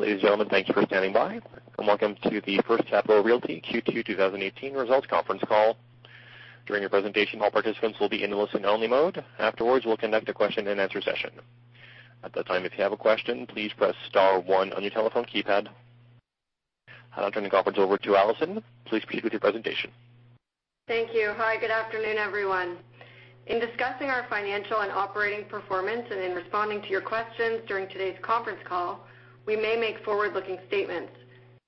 Ladies and gentlemen, thank you for standing by, and welcome to the First Capital Realty Q2 2018 Results Conference Call. During the presentation, all participants will be in listen-only mode. Afterwards, we'll conduct a question-and-answer session. At that time, if you have a question, please press star one on your telephone keypad. Now turning the conference over to Alison. Please proceed with your presentation. Thank you. Hi, good afternoon, everyone. In discussing our financial and operating performance and in responding to your questions during today's conference call, we may make forward-looking statements.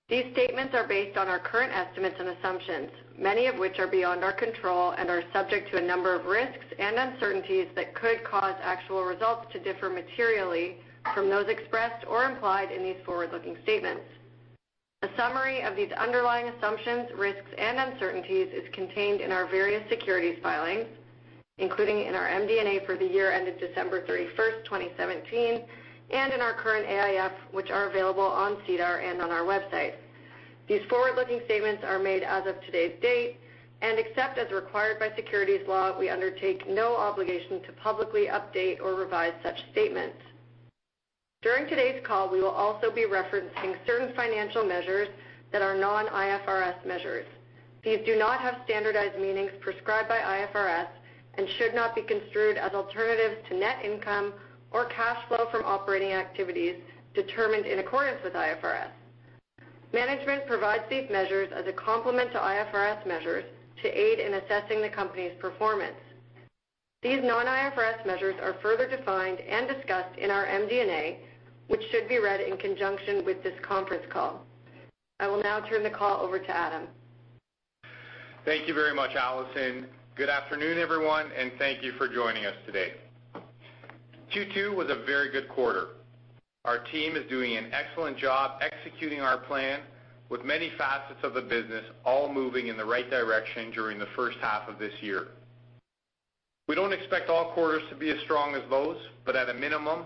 These statements are based on our current estimates and assumptions, many of which are beyond our control and are subject to a number of risks and uncertainties that could cause actual results to differ materially from those expressed or implied in these forward-looking statements. A summary of these underlying assumptions, risks, and uncertainties is contained in our various securities filings, including in our MD&A for the year ended December 31st, 2017, and in our current AIF, which are available on SEDAR and on our website. These forward-looking statements are made as of today's date, and except as required by securities law, we undertake no obligation to publicly update or revise such statements. During today's call, we will also be referencing certain financial measures that are non-IFRS measures. These do not have standardized meanings prescribed by IFRS and should not be construed as alternatives to net income or cash flow from operating activities determined in accordance with IFRS. Management provides these measures as a complement to IFRS measures to aid in assessing the company's performance. These non-IFRS measures are further defined and discussed in our MD&A, which should be read in conjunction with this conference call. I will now turn the call over to Adam. Thank you very much, Alison. Good afternoon, everyone, and thank you for joining us today. Q2 was a very good quarter. Our team is doing an excellent job executing our plan, with many facets of the business all moving in the right direction during the first half of this year. We don't expect all quarters to be as strong as those, but at a minimum,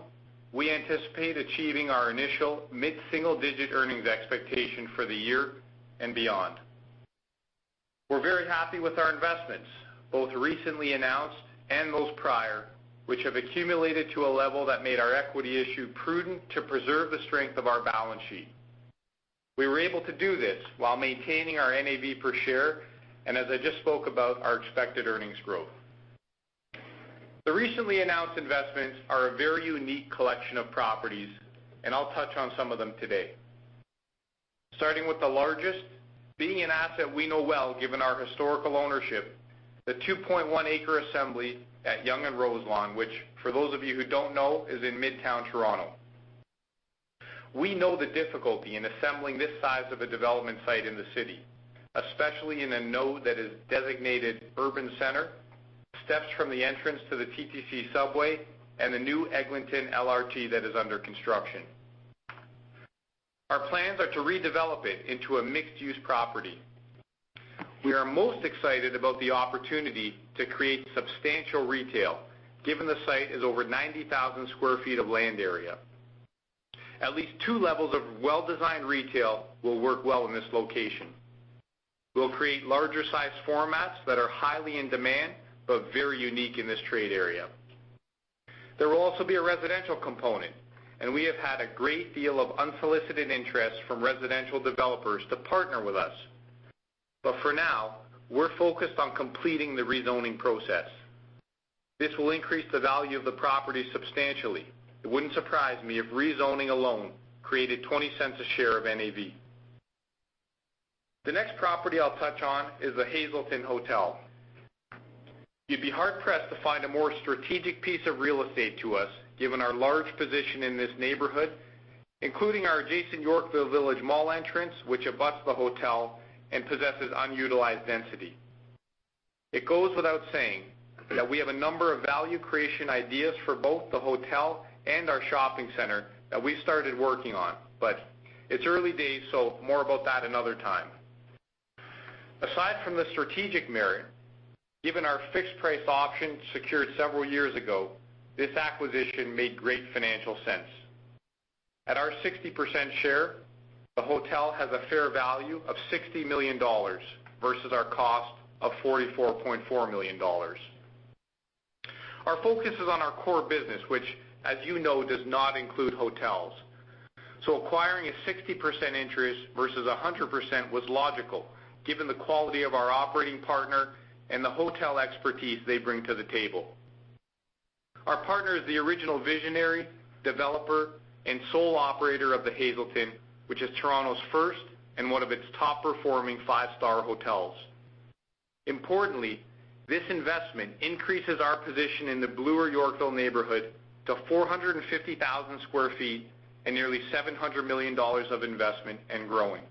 we anticipate achieving our initial mid-single-digit earnings expectation for the year and beyond. We're very happy with our investments, both recently announced and those prior, which have accumulated to a level that made our equity issue prudent to preserve the strength of our balance sheet. We were able to do this while maintaining our NAV per share, and as I just spoke about, our expected earnings growth. The recently announced investments are a very unique collection of properties, I'll touch on some of them today. Starting with the largest, being an asset we know well given our historical ownership, the 2.1 acres assembly at Yonge and Roselawn, which for those of you who don't know, is in Midtown Toronto. We know the difficulty in assembling this size of a development site in the city, especially in a node that is designated urban center, steps from the entrance to the TTC subway, and the new Eglinton LRT that is under construction. Our plans are to redevelop it into a mixed-use property. We are most excited about the opportunity to create substantial retail, given the site is over 90,000 sq ft of land area. At least 2 levels of well-designed retail will work well in this location. We'll create larger size formats that are highly in demand but very unique in this trade area. There will also be a residential component, we have had a great deal of unsolicited interest from residential developers to partner with us. For now, we're focused on completing the rezoning process. This will increase the value of the property substantially. It wouldn't surprise me if rezoning alone created 0.20 a share of NAV. The next property I'll touch on is The Hazelton Hotel. You'd be hard-pressed to find a more strategic piece of real estate to us, given our large position in this neighborhood, including our adjacent Yorkville Village Mall entrance, which abuts the hotel and possesses unutilized density. It goes without saying that we have a number of value creation ideas for both the hotel and our shopping center that we started working on. It's early days, so more about that another time. Aside from the strategic merit, given our fixed price option secured several years ago, this acquisition made great financial sense. At our 60% share, the hotel has a fair value of 60 million dollars versus our cost of CAD 44.4 million. Acquiring a 60% interest versus 100% was logical given the quality of our operating partner and the hotel expertise they bring to the table. Our partner is the original visionary, developer, and sole operator of the Hazelton, which is Toronto's first and one of its top-performing 5-star hotels. Importantly, this investment increases our position in the Bloor-Yorkville neighborhood to 450,000 sq ft and nearly 700 million dollars of investment and growing.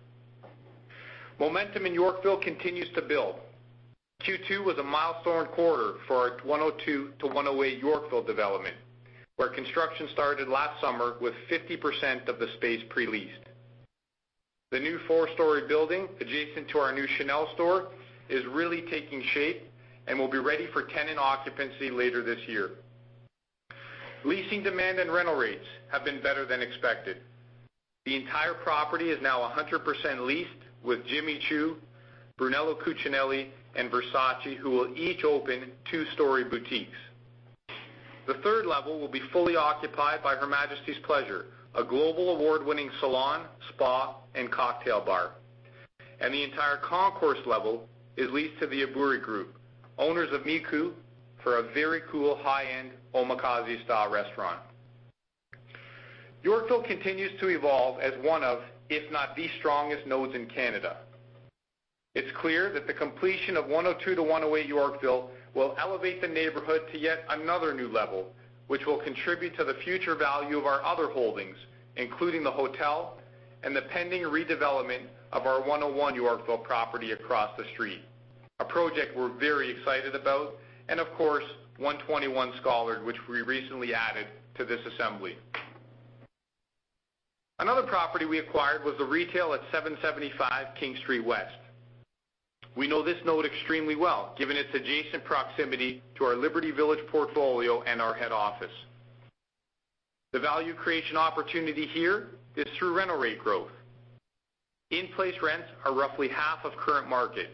Momentum in Yorkville continues to build. Q2 was a milestone quarter for our 102-108 Yorkville development, where construction started last summer with 50% of the space pre-leased. The new 4-story building adjacent to our new Chanel store is really taking shape and will be ready for tenant occupancy later this year. Leasing demand and rental rates have been better than expected. The entire property is now 100% leased with Jimmy Choo, Brunello Cucinelli, and Versace, who will each open 2-story boutiques. The 3rd level will be fully occupied by Majesty's Pleasure, a global award-winning salon, spa, and cocktail bar. The entire concourse level is leased to the Aburi Group, owners of Miku, for a very cool, high-end omakase-style restaurant. Yorkville continues to evolve as one of, if not the strongest nodes in Canada. It's clear that the completion of 102 to 108 Yorkville will elevate the neighborhood to yet another new level, which will contribute to the future value of our other holdings, including the hotel, and the pending redevelopment of our 101 Yorkville property across the street. A project we're very excited about, and of course, 121 Scollard, which we recently added to this assembly. Another property we acquired was the retail at 775 King Street West. We know this node extremely well, given its adjacent proximity to our Liberty Village portfolio and our head office. The value creation opportunity here is through rental rate growth. In-place rents are roughly half of current market,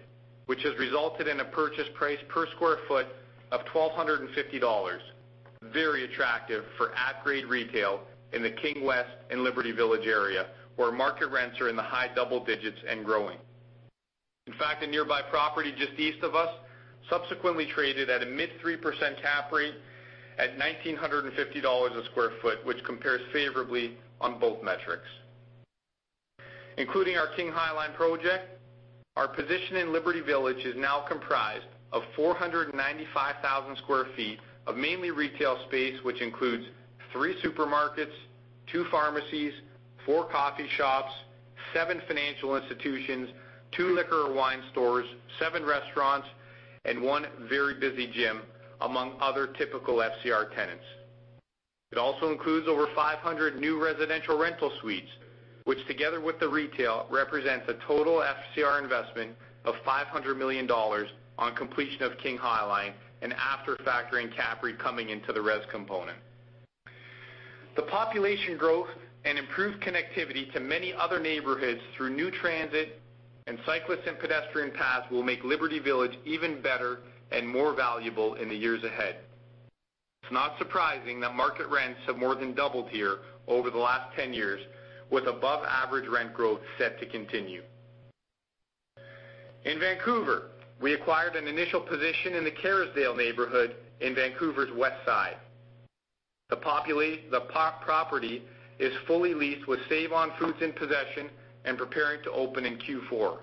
which has resulted in a purchase price per sq ft of 1,250 dollars. Very attractive for at-grade retail in the King West and Liberty Village area, where market rents are in the high double digits and growing. A nearby property just east of us subsequently traded at a mid 3% cap rate at 1,950 dollars a sq ft, which compares favorably on both metrics. Including our King High Line project, our position in Liberty Village is now comprised of 495,000 sq ft of mainly retail space, which includes three supermarkets, two pharmacies, four coffee shops, seven financial institutions, two liquor or wine stores, seven restaurants, and one very busy gym, among other typical FCR tenants. It also includes over 500 new residential rental suites, which together with the retail, represents a total FCR investment of 500 million dollars on completion of King High Line and after factoring Capri coming into the res component. The population growth and improved connectivity to many other neighborhoods through new transit and cyclist and pedestrian paths will make Liberty Village even better and more valuable in the years ahead. It's not surprising that market rents have more than doubled here over the last 10 years, with above average rent growth set to continue. In Vancouver, we acquired an initial position in the Kerrisdale neighborhood in Vancouver's West Side. The property is fully leased with Save-On-Foods in possession and preparing to open in Q4.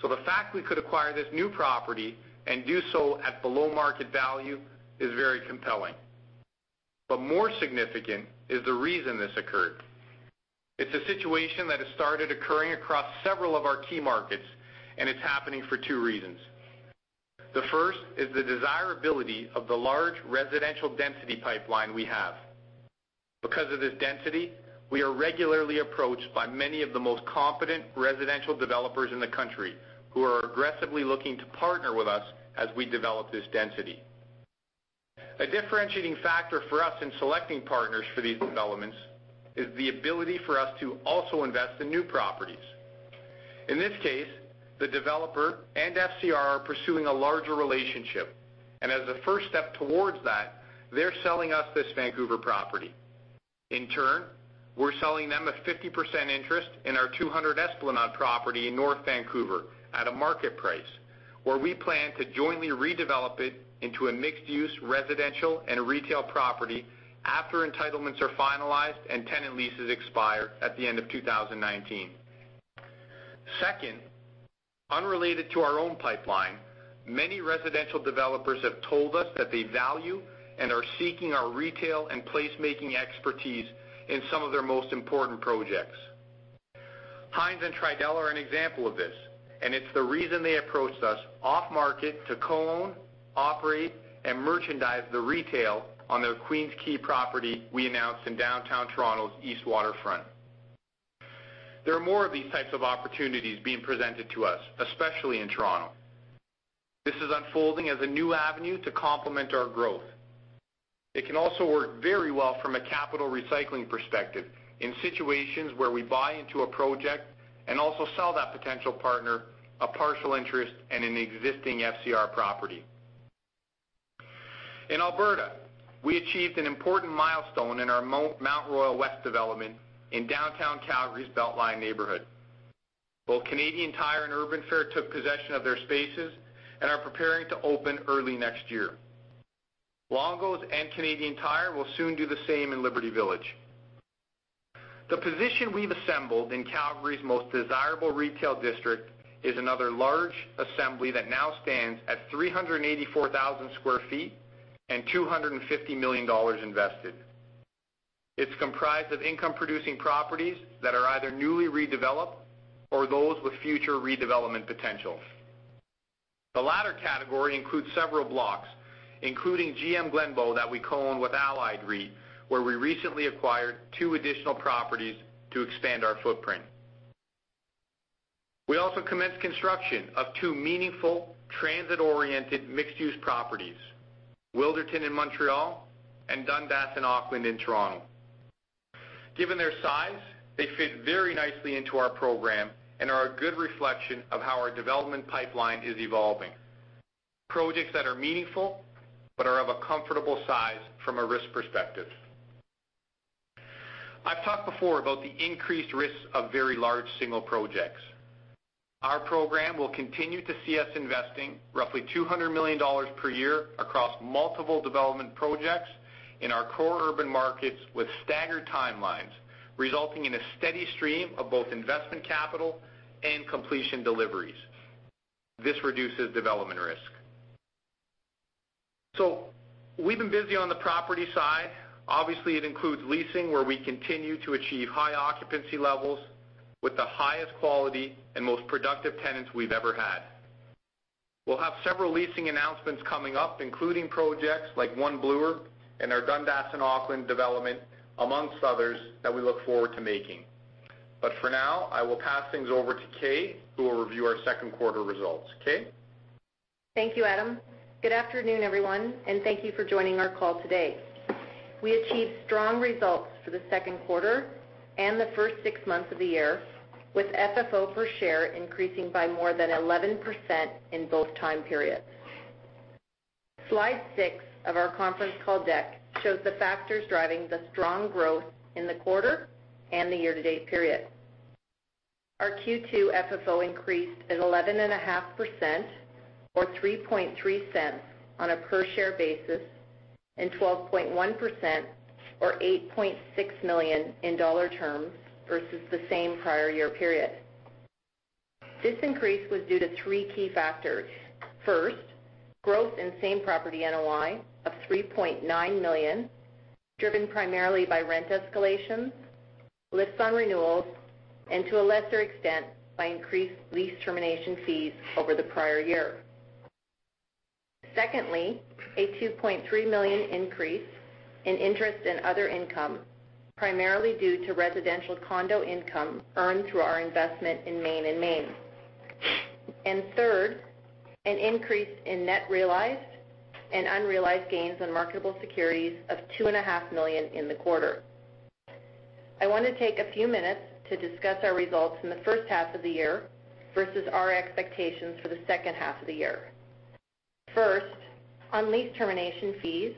The fact we could acquire this new property and do so at below market value is very compelling. More significant is the reason this occurred. It's a situation that has started occurring across several of our key markets, and it's happening for two reasons. The first is the desirability of the large residential density pipeline we have. Because of this density, we are regularly approached by many of the most competent residential developers in the country, who are aggressively looking to partner with us as we develop this density. A differentiating factor for us in selecting partners for these developments is the ability for us to also invest in new properties. In this case, the developer and FCR are pursuing a larger relationship. As a first step towards that, they're selling us this Vancouver property. In turn, we're selling them a 50% interest in our 200 Esplanade property in North Vancouver at a market price, where we plan to jointly redevelop it into a mixed use residential and retail property after entitlements are finalized and tenant leases expire at the end of 2019. Second, unrelated to our own pipeline, many residential developers have told us that they value and are seeking our retail and place-making expertise in some of their most important projects. Hines and Tridel are an example of this, and it's the reason they approached us off-market to co-own, operate, and merchandise the retail on their Queens Quay property we announced in downtown Toronto's east waterfront. There are more of these types of opportunities being presented to us, especially in Toronto. This is unfolding as a new avenue to complement our growth. It can also work very well from a capital recycling perspective in situations where we buy into a project and also sell that potential partner a partial interest in an existing FCR property. In Alberta, we achieved an important milestone in our Mount Royal West development in downtown Calgary's BeltLine neighborhood. Both Canadian Tire and Urban Fare took possession of their spaces and are preparing to open early next year. Longo's and Canadian Tire will soon do the same in Liberty Village. The position we've assembled in Calgary's most desirable retail district is another large assembly that now stands at 384,000 square feet and 250 million dollars invested. It's comprised of income producing properties that are either newly redeveloped or those with future redevelopment potential. The latter category includes several blocks, including GM Glenbow that we co-own with Allied REIT, where we recently acquired two additional properties to expand our footprint. We also commenced construction of two meaningful transit-oriented mixed-use properties, Wilderton in Montreal and Dundas and Auckland in Toronto. Given their size, they fit very nicely into our program and are a good reflection of how our development pipeline is evolving. Projects that are meaningful but are of a comfortable size from a risk perspective. I've talked before about the increased risks of very large single projects. Our program will continue to see us investing roughly 200 million dollars per year across multiple development projects in our core urban markets with staggered timelines, resulting in a steady stream of both investment capital and completion deliveries. This reduces development risk. We've been busy on the property side. Obviously, it includes leasing, where we continue to achieve high occupancy levels with the highest quality and most productive tenants we've ever had. We'll have several leasing announcements coming up, including projects like One Bloor and our Dundas and Auckland development, amongst others, that we look forward to making. For now, I will pass things over to Kay, who will review our second quarter results. Kay? Thank you, Adam. Good afternoon, everyone, and thank you for joining our call today. We achieved strong results for the second quarter and the first six months of the year, with FFO per share increasing by more than 11% in both time periods. Slide six of our conference call deck shows the factors driving the strong growth in the quarter and the year-to-date period. Our Q2 FFO increased at 11.5%, or 0.033 on a per share basis, and 12.1%, or 8.6 million in dollar terms versus the same prior year period. This increase was due to three key factors. First, growth in same-property NOI of 3.9 million, driven primarily by rent escalations, lifts on renewals, and to a lesser extent, by increased lease termination fees over the prior year. Secondly, a 2.3 million increase in interest and other income, primarily due to residential condo income earned through our investment in Main and Main. Third, an increase in net realized and unrealized gains on marketable securities of 2.5 million in the quarter. I want to take a few minutes to discuss our results in the first half of the year versus our expectations for the second half of the year. First, on lease termination fees,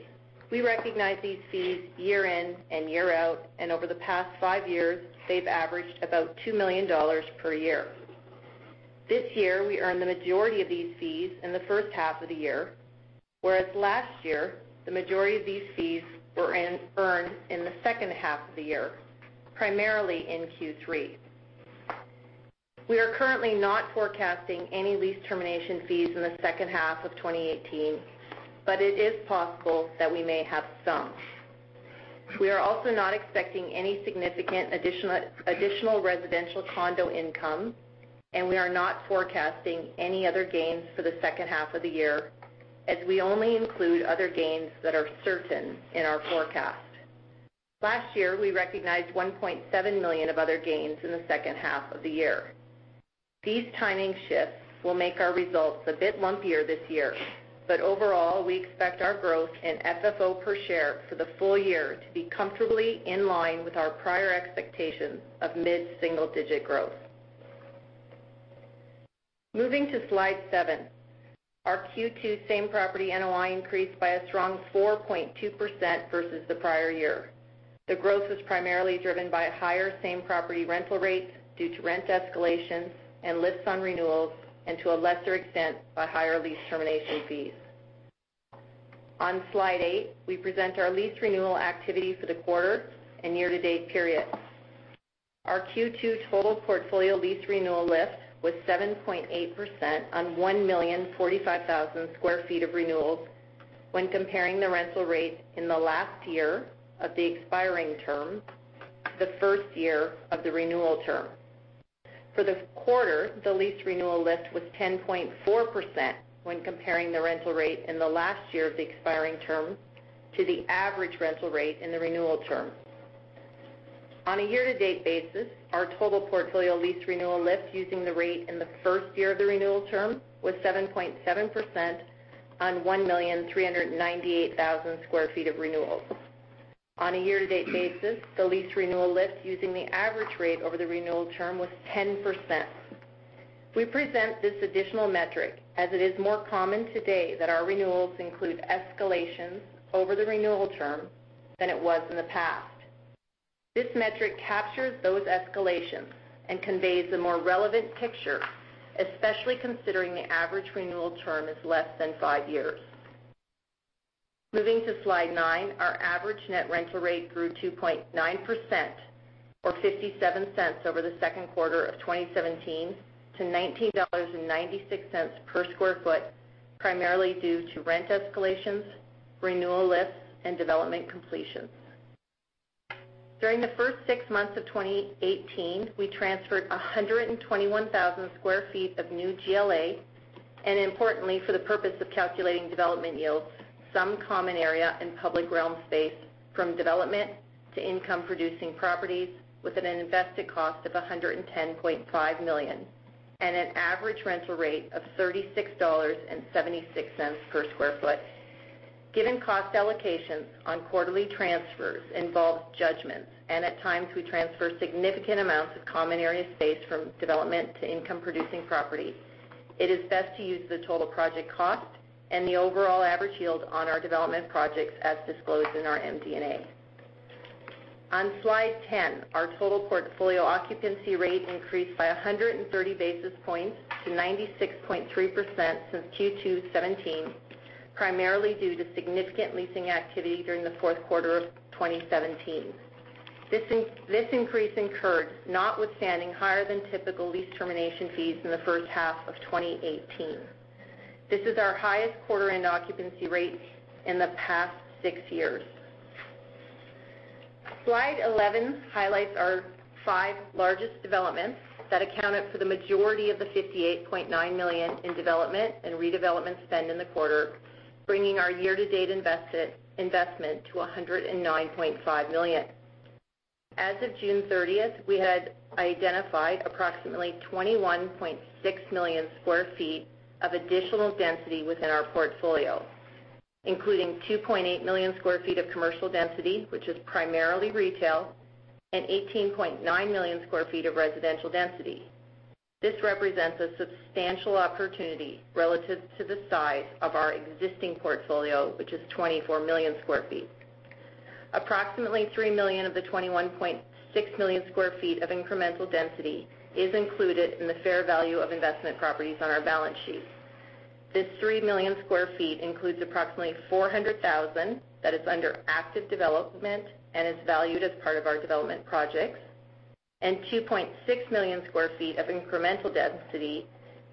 we recognize these fees year in and year out, and over the past five years, they've averaged about 2 million dollars per year. This year, we earned the majority of these fees in the first half of the year, whereas last year, the majority of these fees were earned in the second half of the year, primarily in Q3. We are currently not forecasting any lease termination fees in the second half of 2018, but it is possible that we may have some. We are also not expecting any significant additional residential condo income, and we are not forecasting any other gains for the second half of the year, as we only include other gains that are certain in our forecast. Last year, we recognized 1.7 million of other gains in the second half of the year. These timing shifts will make our results a bit lumpier this year. Overall, we expect our growth in FFO per share for the full year to be comfortably in line with our prior expectations of mid-single-digit growth. Moving to slide seven, our Q2 same-property NOI increased by a strong 4.2% versus the prior year. The growth was primarily driven by higher same-property rental rates due to rent escalations and lifts on renewals, and to a lesser extent, by higher lease termination fees. On slide eight, we present our lease renewal activity for the quarter and year-to-date period. Our Q2 total portfolio lease renewal lift was 7.8% on 1,045,000 square feet of renewals when comparing the rental rate in the last year of the expiring term to the first year of the renewal term. For the quarter, the lease renewal lift was 10.4% when comparing the rental rate in the last year of the expiring term to the average rental rate in the renewal term. On a year-to-date basis, our total portfolio lease renewal lift, using the rate in the first year of the renewal term, was 7.7% on 1,398,000 square feet of renewals. On a year-to-date basis, the lease renewal lift, using the average rate over the renewal term, was 10%. We present this additional metric as it is more common today that our renewals include escalations over the renewal term than it was in the past. This metric captures those escalations and conveys a more relevant picture, especially considering the average renewal term is less than five years. Moving to slide nine, our average net rental rate grew 2.9%, or 0.57 over the second quarter of 2017 to 19.96 dollars per square foot, primarily due to rent escalations, renewal lifts, and development completions. During the first six months of 2018, we transferred 121,000 sq ft of new GLA. Importantly, for the purpose of calculating development yields, some common area and public realm space from development to income-producing properties with an invested cost of 110.5 million and an average rental rate of 36.76 dollars per sq ft. Given cost allocations on quarterly transfers involve judgments, and at times we transfer significant amounts of common area space from development to income-producing property, it is best to use the total project cost and the overall average yield on our development projects as disclosed in our MD&A. On slide 10, our total portfolio occupancy rate increased by 130 basis points to 96.3% since Q2 2017, primarily due to significant leasing activity during the fourth quarter of 2017. This increase incurred notwithstanding higher than typical lease termination fees in the first half of 2018. This is our highest quarter-end occupancy rate in the past six years. Slide 11 highlights our five largest developments that accounted for the majority of the 58.9 million in development and redevelopment spend in the quarter, bringing our year-to-date investment to 109.5 million. As of June 30th, we had identified approximately 21.6 million sq ft of additional density within our portfolio, including 2.8 million sq ft of commercial density, which is primarily retail, and 18.9 million sq ft of residential density. This represents a substantial opportunity relative to the size of our existing portfolio, which is 24 million sq ft. Approximately 3 million of the 21.6 million sq ft of incremental density is included in the fair value of investment properties on our balance sheet. This 3 million sq ft includes approximately 400,000 sq ft that is under active development and is valued as part of our development projects, and 2.6 million sq ft of incremental density,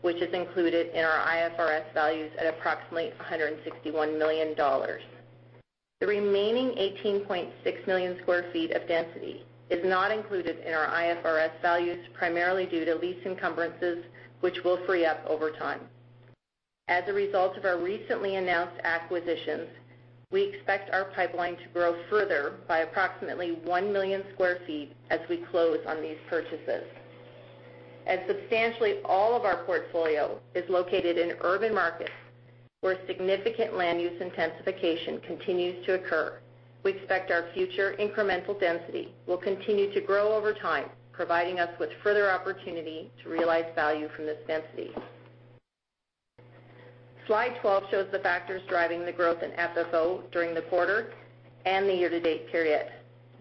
which is included in our IFRS values at approximately 161 million dollars. The remaining 18.6 million sq ft of density is not included in our IFRS values primarily due to lease encumbrances which will free up over time. As a result of our recently announced acquisitions, we expect our pipeline to grow further by approximately 1 million sq ft as we close on these purchases. As substantially all of our portfolio is located in urban markets where significant land use intensification continues to occur, we expect our future incremental density will continue to grow over time, providing us with further opportunity to realize value from this density. Slide 12 shows the factors driving the growth in FFO during the quarter and the year-to-date period.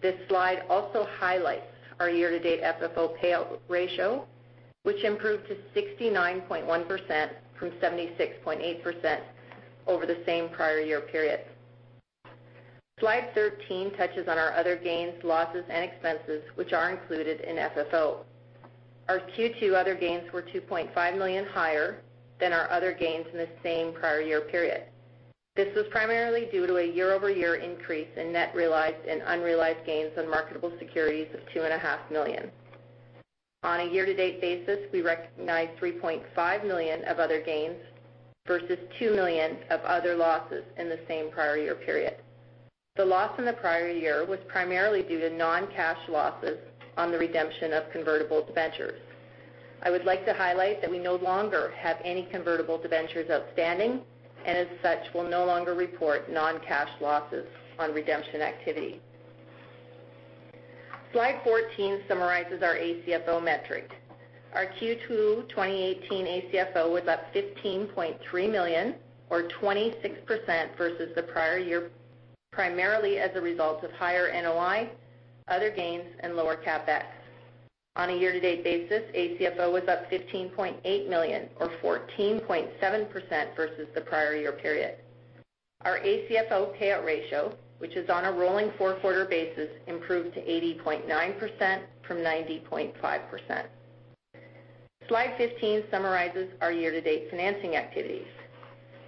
This slide also highlights our year-to-date FFO payout ratio, which improved to 69.1% from 76.8% over the same prior year period. Slide 13 touches on our other gains, losses, and expenses, which are included in FFO. Our Q2 other gains were 2.5 million higher than our other gains in the same prior year period. This was primarily due to a year-over-year increase in net realized and unrealized gains on marketable securities of two and a half million. On a year-to-date basis, we recognized 3.5 million of other gains versus 2 million of other losses in the same prior year period. The loss in the prior year was primarily due to non-cash losses on the redemption of convertible debentures. I would like to highlight that we no longer have any convertible debentures outstanding and as such, will no longer report non-cash losses on redemption activity. Slide 14 summarizes our ACFO metric. Our Q2 2018 ACFO was up 15.3 million or 26% versus the prior year, primarily as a result of higher NOI, other gains, and lower CapEx. On a year-to-date basis, ACFO was up 15.8 million or 14.7% versus the prior year period. Our ACFO payout ratio, which is on a rolling four-quarter basis, improved to 80.9% from 90.5%. Slide 15 summarizes our year-to-date financing activities.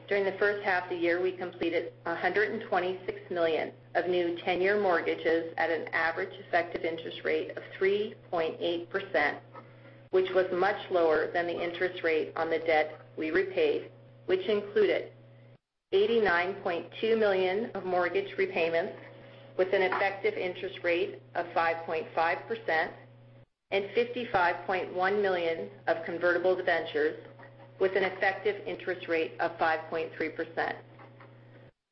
During the first half of the year, we completed 126 million of new 10-year mortgages at an average effective interest rate of 3.8%, which was much lower than the interest rate on the debt we repaid, which included 89.2 million of mortgage repayments with an effective interest rate of 5.5%, and 55.1 million of convertible debentures with an effective interest rate of 5.3%.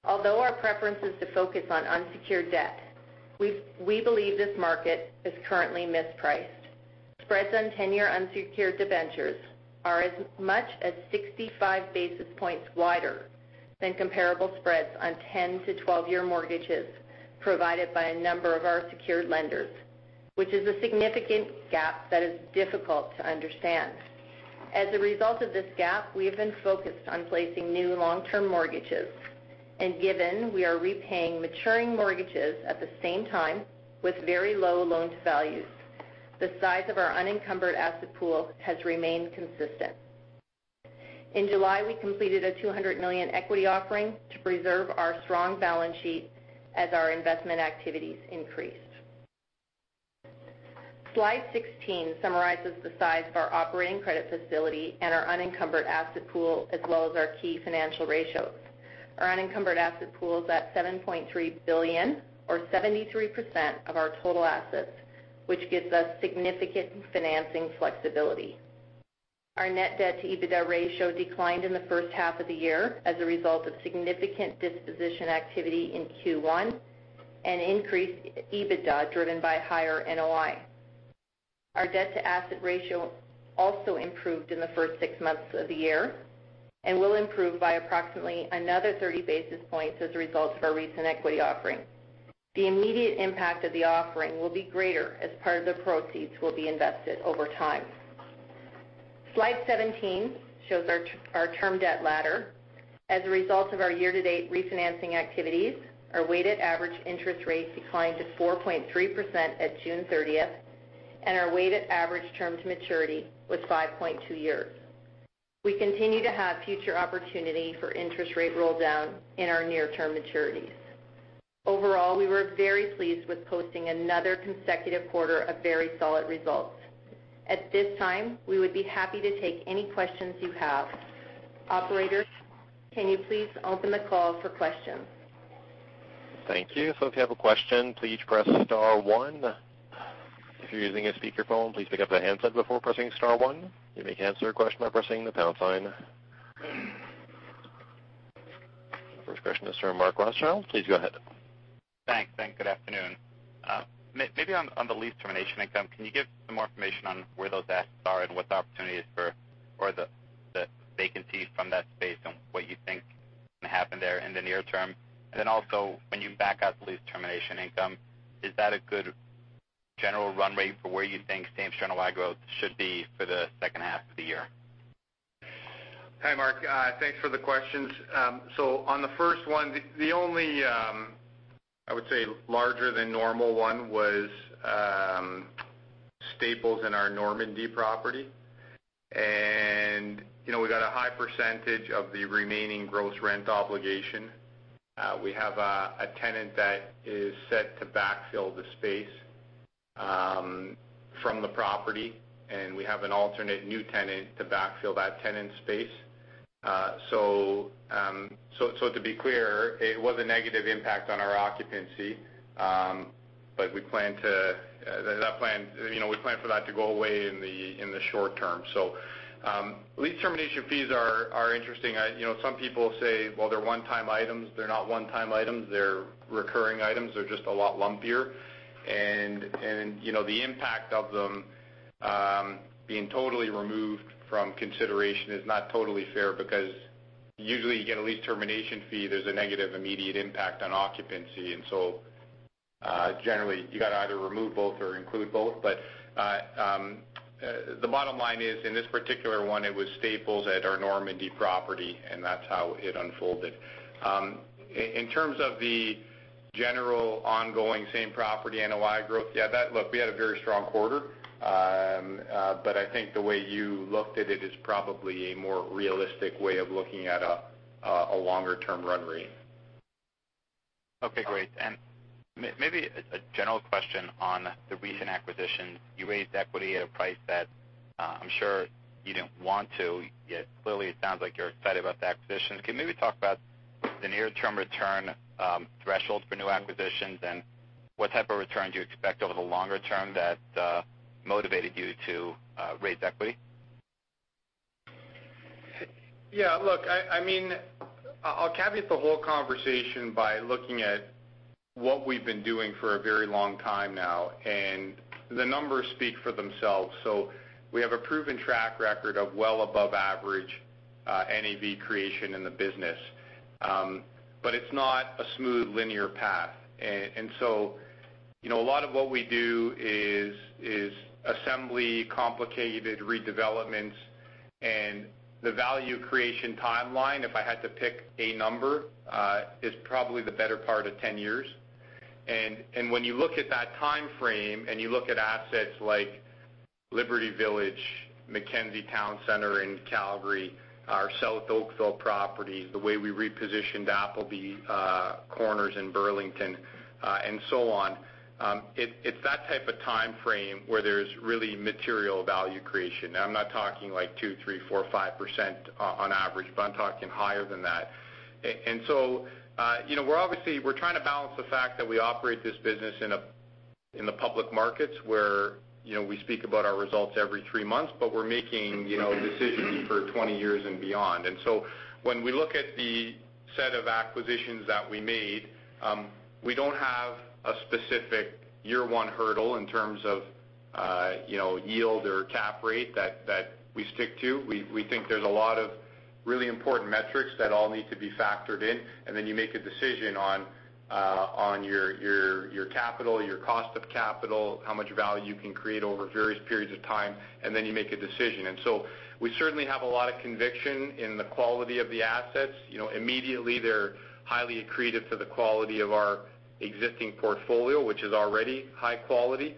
Although our preference is to focus on unsecured debt, we believe this market is currently mispriced. Spreads on 10-year unsecured debentures are as much as 65 basis points wider than comparable spreads on 10 to 12-year mortgages provided by a number of our secured lenders, which is a significant gap that is difficult to understand. As a result of this gap, we have been focused on placing new long-term mortgages, and given we are repaying maturing mortgages at the same time with very low loan-to-values, the size of our unencumbered asset pool has remained consistent. In July, we completed a 200 million equity offering to preserve our strong balance sheet as our investment activities increased. Slide 16 summarizes the size of our operating credit facility and our unencumbered asset pool, as well as our key financial ratios. Our unencumbered asset pool is at 7.3 billion, or 73% of our total assets, which gives us significant financing flexibility. Our net debt to EBITDA ratio declined in the first half of the year as a result of significant disposition activity in Q1, and increased EBITDA driven by higher NOI. Our debt-to-asset ratio also improved in the first six months of the year, and will improve by approximately another 30 basis points as a result of our recent equity offering. The immediate impact of the offering will be greater as part of the proceeds will be invested over time. Slide 17 shows our term debt ladder. As a result of our year-to-date refinancing activities, our weighted average interest rate declined to 4.3% at June 30th, and our weighted average term to maturity was 5.2 years. We continue to have future opportunity for interest rate roll down in our near-term maturities. Overall, we were very pleased with posting another consecutive quarter of very solid results. At this time, we would be happy to take any questions you have. Operator, can you please open the call for questions? Thank you. If you have a question, please press star one. If you're using a speakerphone, please pick up the handset before pressing star one. You may answer a question by pressing the pound sign. First question is from Mark Rothschild. Please go ahead. Thanks, and good afternoon. Maybe on the lease termination income, can you give some more information on where those assets are and what the opportunity is for, or the vacancy from that space and what you think can happen there in the near term? When you back out the lease termination income, is that a good general run rate for where you think same store NOI growth should be for the second half of the year? Hi, Mark. Thanks for the questions. On the first one, the only larger than normal one was Staples in our Normandy property. We've got a high percentage of the remaining gross rent obligation. We have a tenant that is set to backfill the space from the property, and we have an alternate new tenant to backfill that tenant space. To be clear, it was a negative impact on our occupancy, but we plan for that to go away in the short-term. Lease termination fees are interesting. Some people say, "Well, they're one-time items." They're not one-time items. They're recurring items. They're just a lot lumpier. The impact of them being totally removed from consideration is not totally fair, because usually you get a lease termination fee, there's a negative immediate impact on occupancy. Generally, you've got to either remove both or include both. The bottom line is, in this particular one, it was Staples at our Normandy property, and that's how it unfolded. In terms of the general ongoing same property NOI growth, look, we had a very strong quarter. I think the way you looked at it is probably a more realistic way of looking at a longer-term run rate. Okay, great. Maybe a general question on the recent acquisition. You raised equity at a price that I'm sure you didn't want to, yet clearly it sounds like you're excited about the acquisition. Can you maybe talk about the near-term return threshold for new acquisitions, and what type of returns you expect over the longer term that motivated you to raise equity? Yeah. Look, I'll caveat the whole conversation by looking at what we've been doing for a very long time now, the numbers speak for themselves. We have a proven track record of well above average NAV creation in the business. It's not a smooth linear path. A lot of what we do is assembly complicated redevelopments and the value creation timeline, if I had to pick a number, is probably the better part of 10 years. When you look at that timeframe and you look at assets like Liberty Village, McKenzie Towne Centre in Calgary, our South Oakville properties, the way we repositioned Appleby Corners in Burlington, and so on, it's that type of timeframe where there's really material value creation. Now, I'm not talking like 2%, 3%, 4%, 5% on average, but I'm talking higher than that. We're trying to balance the fact that we operate this business in the public markets where we speak about our results every three months. We're making decisions for 20 years and beyond. When we look at the set of acquisitions that we made, we don't have a specific year-one hurdle in terms of yield or cap rate that we stick to. We think there's a lot of really important metrics that all need to be factored in, then you make a decision on your capital, your cost of capital, how much value you can create over various periods of time, then you make a decision. We certainly have a lot of conviction in the quality of the assets. Immediately, they're highly accretive to the quality of our existing portfolio, which is already high quality.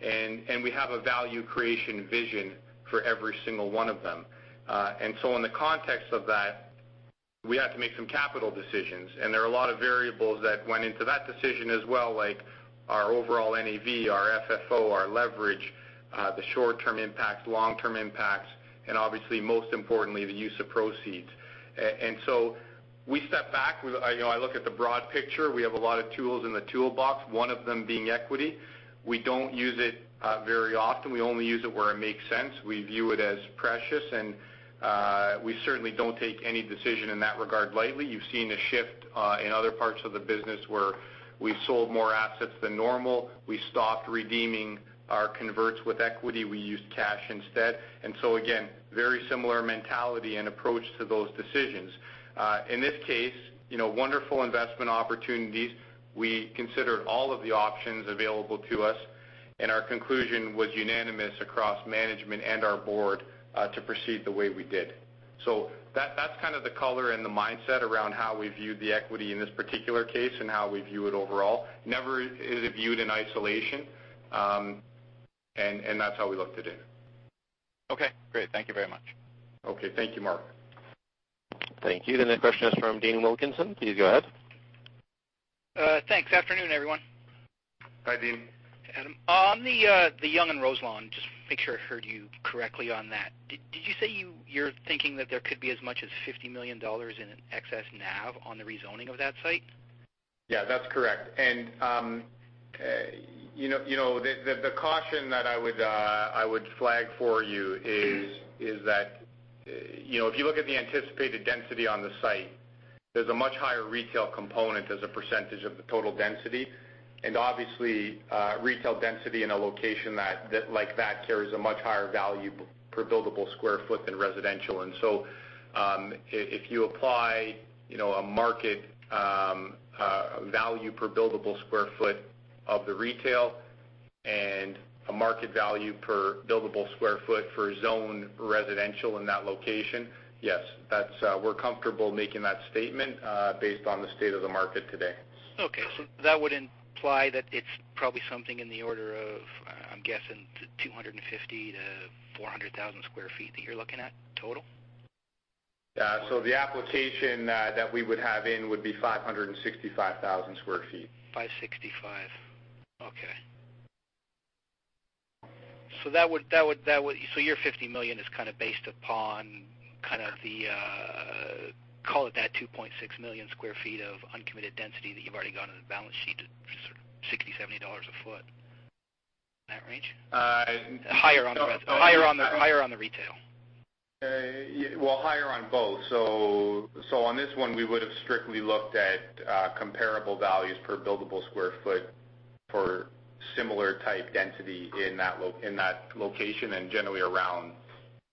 We have a value creation vision for every single one of them. In the context of that We have to make some capital decisions, and there are a lot of variables that went into that decision as well, like our overall NAV, our FFO, our leverage, the short-term impacts, long-term impacts, and obviously most importantly, the use of proceeds. We step back. I look at the broad picture. We have a lot of tools in the toolbox, one of them being equity. We don't use it very often. We only use it where it makes sense. We view it as precious, and we certainly don't take any decision in that regard lightly. You've seen a shift in other parts of the business where we've sold more assets than normal. We stopped redeeming our converts with equity. We used cash instead. Again, very similar mentality and approach to those decisions. In this case, wonderful investment opportunities. We considered all of the options available to us, and our conclusion was unanimous across management and our board to proceed the way we did. That's kind of the color and the mindset around how we viewed the equity in this particular case and how we view it overall. Never is it viewed in isolation. That's how we looked at it. Okay, great. Thank you very much. Okay. Thank you, Mark. Thank you. The next question is from Dean Wilkinson. Please go ahead. Thanks. Afternoon, everyone. Hi, Dean. Adam, on the Yonge and Roselawn, just to make sure I heard you correctly on that. Did you say you're thinking that there could be as much as 50 million dollars in excess NAV on the rezoning of that site? Yeah, that's correct. The caution that I would flag for you is that, if you look at the anticipated density on the site, there's a much higher retail component as a percentage of the total density. Obviously, retail density in a location like that carries a much higher value per buildable square foot than residential. If you apply a market value per buildable square foot of the retail and a market value per buildable square foot for zone residential in that location, yes. We're comfortable making that statement, based on the state of the market today. Okay. That would imply that it is probably something in the order of, I am guessing, 250,000 to 400,000 sq ft that you are looking at total? The application that we would have in would be 565,000 sq ft. 565. Okay. Your 50 million is kind of based upon the, call it that, 2.6 million sq ft of uncommitted density that you have already got on the balance sheet at sort of 60 dollars, CAD 70 a foot. In that range? Uh- Higher on the retail. Higher on both. On this one, we would've strictly looked at comparable values per buildable square foot for similar type density in that location and generally around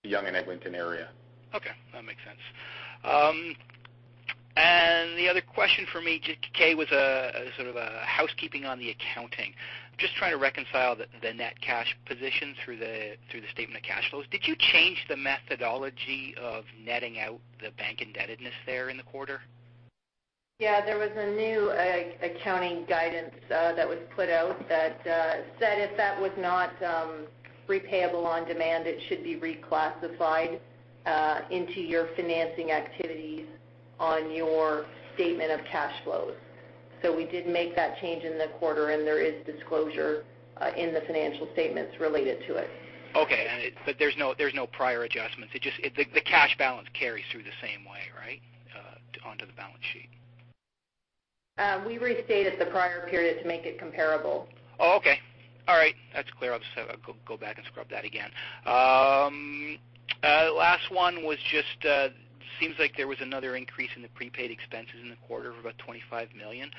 the Yonge and Eglinton area. Okay. That makes sense. The other question from me, Kay, was sort of a housekeeping on the accounting. I'm just trying to reconcile the net cash position through the statement of cash flows. Did you change the methodology of netting out the bank indebtedness there in the quarter? Yeah, there was a new accounting guidance that was put out that said if that was not repayable on demand, it should be reclassified into your financing activities on your statement of cash flows. We did make that change in the quarter, and there is disclosure in the financial statements related to it. Okay. There's no prior adjustments. The cash balance carries through the same way, right, onto the balance sheet? We restated the prior period to make it comparable. Oh, okay. All right. That's clear. I'll go back and scrub that again. Last one was just, seems like there was another increase in the prepaid expenses in the quarter of about 25 million.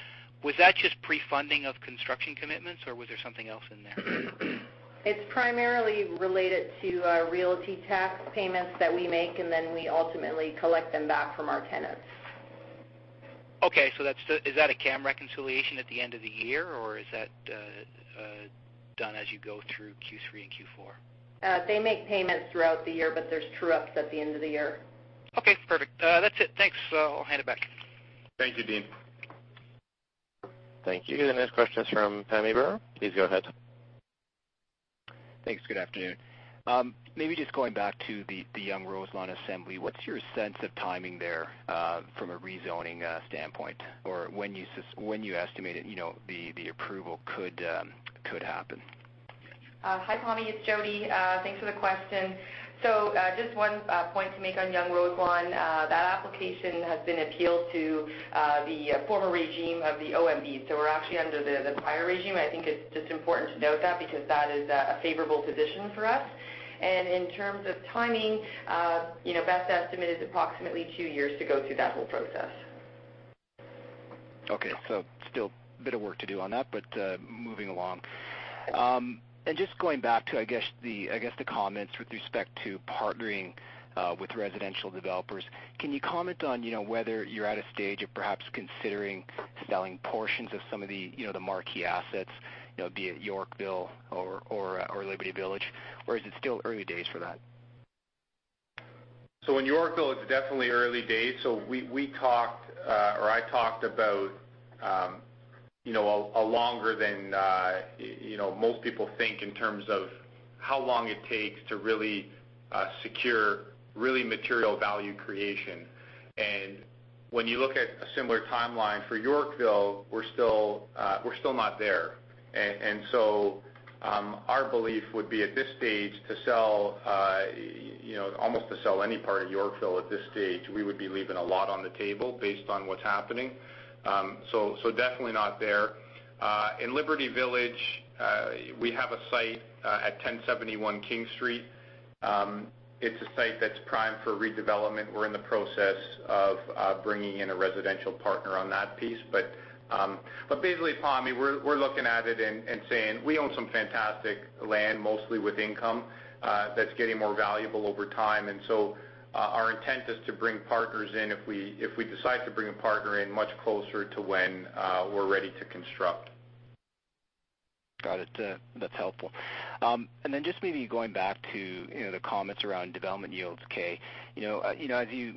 Was that just pre-funding of construction commitments, or was there something else in there? It's primarily related to realty tax payments that we make, and then we ultimately collect them back from our tenants. Okay. Is that a CAM reconciliation at the end of the year, or is that done as you go through Q3 and Q4? They make payments throughout the year, but there's true-ups at the end of the year. Okay, perfect. That's it. Thanks. I'll hand it back. Thank you, Dean. Thank you. The next question is from Tommy Vietor. Please go ahead. Thanks. Good afternoon. Maybe just going back to the Yonge and Roselawn assembly. What's your sense of timing there, from a rezoning standpoint, or when you estimate the approval could happen? Hi, Tommy. It's Jodi. Thanks for the question. Just one point to make on Yonge and Roselawn. That application has been appealed to the former regime of the OMB. We're actually under the prior regime. I think it's just important to note that because that is a favorable position for us. In terms of timing, best estimate is approximately two years to go through that whole process. Okay. Still a bit of work to do on that, but moving along. Just going back to, I guess, the comments with respect to partnering with residential developers. Can you comment on whether you're at a stage of perhaps considering selling portions of some of the marquee assets, be it Yorkville or Liberty Village, or is it still early days for that? In Yorkville, it's definitely early days. We talked, or I talked about a longer than most people think in terms of how long it takes to really secure material value creation. When you look at a similar timeline for Yorkville, we're still not there. Our belief would be, at this stage, almost to sell any part of Yorkville at this stage, we would be leaving a lot on the table based on what's happening. Definitely not there. In Liberty Village, we have a site at 1071 King Street. It's a site that's prime for redevelopment. We're in the process of bringing in a residential partner on that piece. Basically, Pammi, we're looking at it and saying we own some fantastic land, mostly with income, that's getting more valuable over time. Our intent is to bring partners in, if we decide to bring a partner in, much closer to when we're ready to construct. Got it. That's helpful. Just maybe going back to the comments around development yields, Kay. As you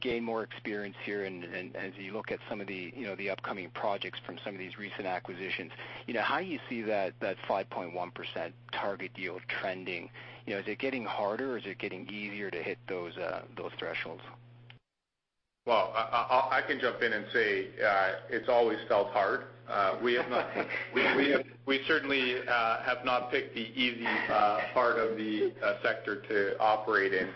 gain more experience here and as you look at some of the upcoming projects from some of these recent acquisitions, how do you see that 5.1% target yield trending? Is it getting harder, or is it getting easier to hit those thresholds? Well, I can jump in and say, it's always felt hard. We certainly have not picked the easy part of the sector to operate in.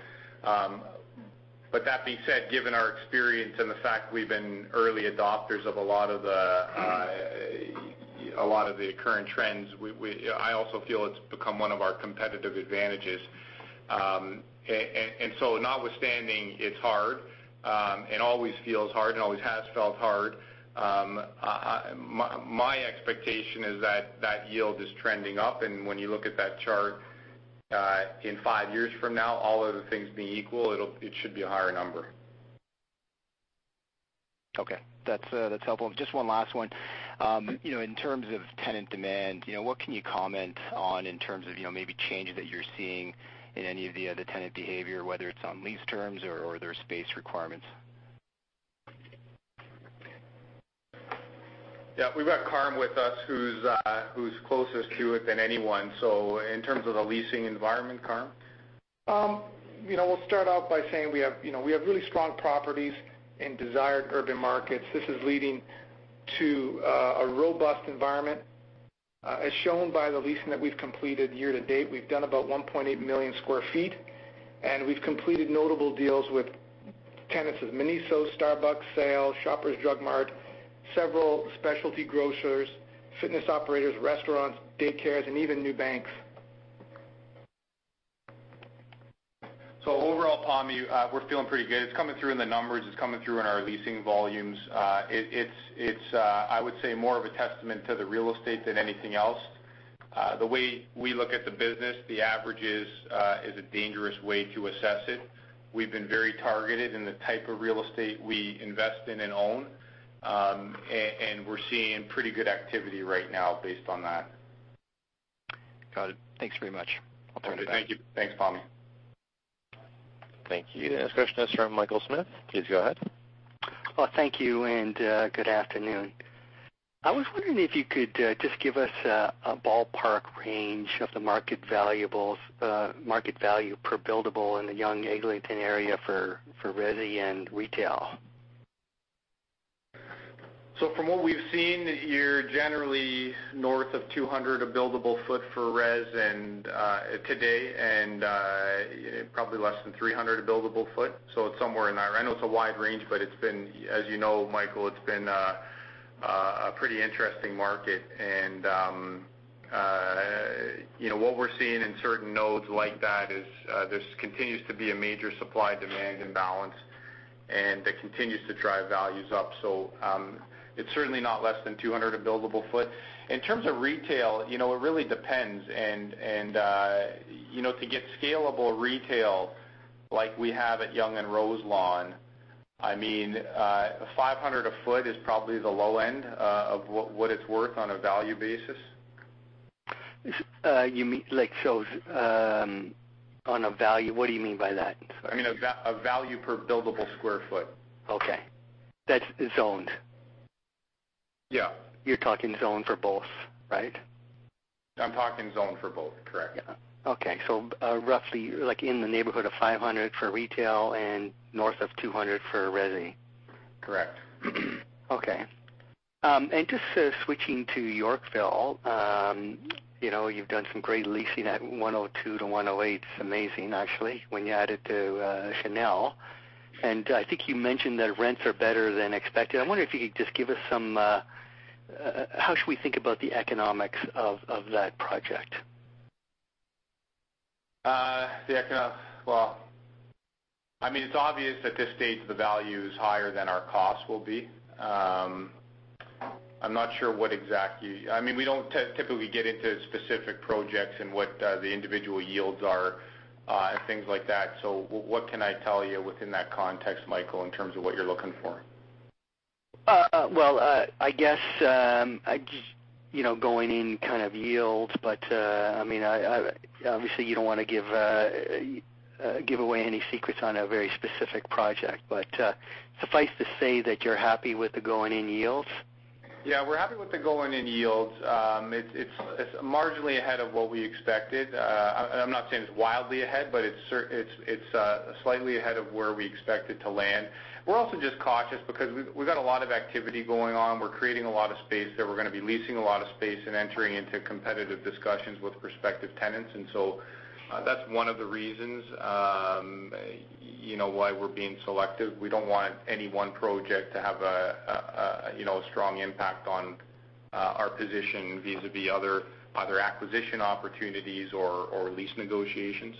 That being said, given our experience and the fact we've been early adopters of a lot of the current trends, I also feel it's become one of our competitive advantages. Notwithstanding, it's hard, and always feels hard and always has felt hard. My expectation is that that yield is trending up, and when you look at that chart, in five years from now, all other things being equal, it should be a higher number. Okay. That's helpful. Just one last one. In terms of tenant demand, what can you comment on in terms of maybe changes that you're seeing in any of the other tenant behavior, whether it's on lease terms or their space requirements? Yeah. We've got Carm with us, who's closest to it than anyone. In terms of the leasing environment, Carm? We'll start off by saying we have really strong properties in desired urban markets. This is leading to a robust environment, as shown by the leasing that we've completed year to date. We've done about 1.8 million sq ft, and we've completed notable deals with tenants of Miniso, Starbucks, Sail, Shoppers Drug Mart, several specialty grocers, fitness operators, restaurants, day cares, and even new banks. Overall, Pammi, we're feeling pretty good. It's coming through in the numbers. It's coming through in our leasing volumes. It's, I would say, more of a testament to the real estate than anything else. The way we look at the business, the average is a dangerous way to assess it. We've been very targeted in the type of real estate we invest in and own. We're seeing pretty good activity right now based on that. Got it. Thanks very much. I'll turn it back. Okay. Thank you. Thanks, Pammi. Thank you. Next question is from Michael Markidis. Please go ahead. Well, thank you, and good afternoon. I was wondering if you could just give us a ballpark range of the market value per buildable in the Yonge-Eglinton area for resi and retail. From what we've seen, you're generally north of 200 a buildable foot for res today, and probably less than 300 a buildable foot. It's somewhere in that. I know it's a wide range, but as you know, Michael, it's been a pretty interesting market. What we're seeing in certain nodes like that is, there continues to be a major supply-demand imbalance, and that continues to drive values up. It's certainly not less than 200 a buildable foot. In terms of retail, it really depends. To get scalable retail like we have at Yonge and Roselawn, 500 a foot is probably the low end of what it's worth on a value basis. You mean, on a value, what do you mean by that? Sorry. I mean, a value per buildable square foot. Okay. That's zoned? Yeah. You're talking zoned for both, right? I'm talking zoned for both, correct. Yeah. Okay. Roughly, in the neighborhood of 500 for retail and north of 200 for resi. Correct. Okay. Just switching to Yorkville. You've done some great leasing at 102 to 108. It's amazing, actually, when you add it to Chanel. I think you mentioned that rents are better than expected. I wonder if you could just give us some How should we think about the economics of that project? The economics. Well, it's obvious at this stage the value is higher than our cost will be. I'm not sure what exactly. We don't typically get into specific projects and what the individual yields are and things like that. What can I tell you within that context, Michael, in terms of what you're looking for? going in kind of yields? Obviously you don't want to give away any secrets on a very specific project, but suffice to say that you're happy with the going in yields? Yeah, we're happy with the going in yields. It's marginally ahead of what we expected. I'm not saying it's wildly ahead, but it's slightly ahead of where we expected to land. We're also just cautious because we've got a lot of activity going on. We're creating a lot of space there. We're going to be leasing a lot of space and entering into competitive discussions with prospective tenants. That's one of the reasons, why we're being selective. We don't want any one project to have a strong impact on our position vis-à-vis other acquisition opportunities or lease negotiations.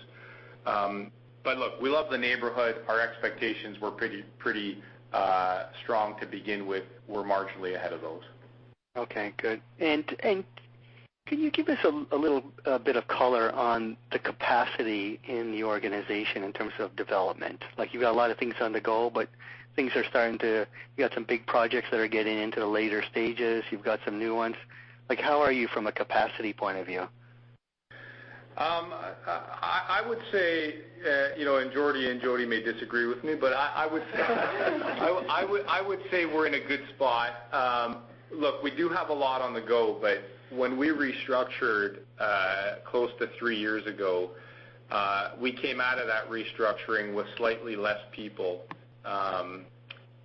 Look, we love the neighborhood. Our expectations were pretty strong to begin with. We're marginally ahead of those. Okay, good. Can you give us a little bit of color on the capacity in the organization in terms of development? You've got a lot of things on the go, but you've got some big projects that are getting into the later stages. You've got some new ones. How are you from a capacity point of view? I would say, Jodi may disagree with me, but I would say we're in a good spot. Look, we do have a lot on the go, but when we restructured, close to three years ago, we came out of that restructuring with slightly less people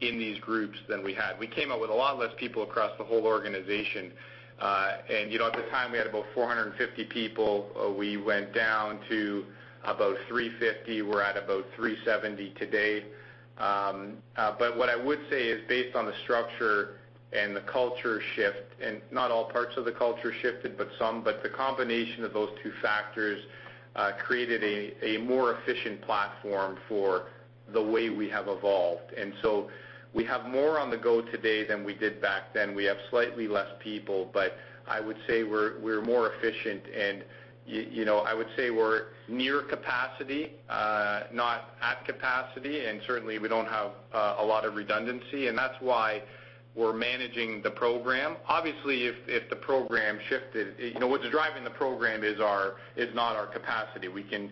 in these groups than we had. We came out with a lot less people across the whole organization. At the time, we had about 450 people. We went down to about 350. We're at about 370 today. What I would say is based on the structure and the culture shift, and not all parts of the culture shifted, but some, but the combination of those two factors, created a more efficient platform for the way we have evolved. We have more on the go today than we did back then. We have slightly less people, but I would say we're more efficient, and I would say we're near capacity, not at capacity. Certainly, we don't have a lot of redundancy, and that's why we're managing the program. Obviously, what's driving the program is not our capacity. We can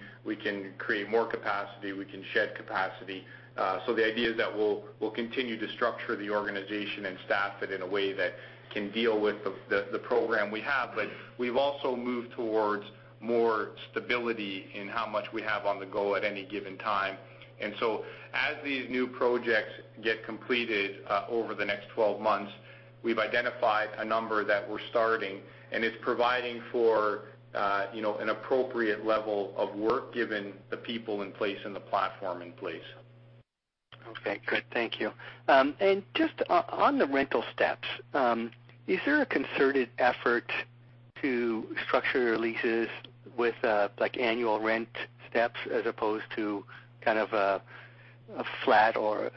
create more capacity, we can shed capacity. The idea is that we'll continue to structure the organization and staff it in a way that can deal with the program we have. We've also moved towards more stability in how much we have on the go at any given time. As these new projects get completed over the next 12 months, we've identified a number that we're starting, and it's providing for an appropriate level of work given the people in place and the platform in place. Okay, good. Thank you. Just on the rental steps, is there a concerted effort to structure leases with annual rent steps as opposed to kind of a flat or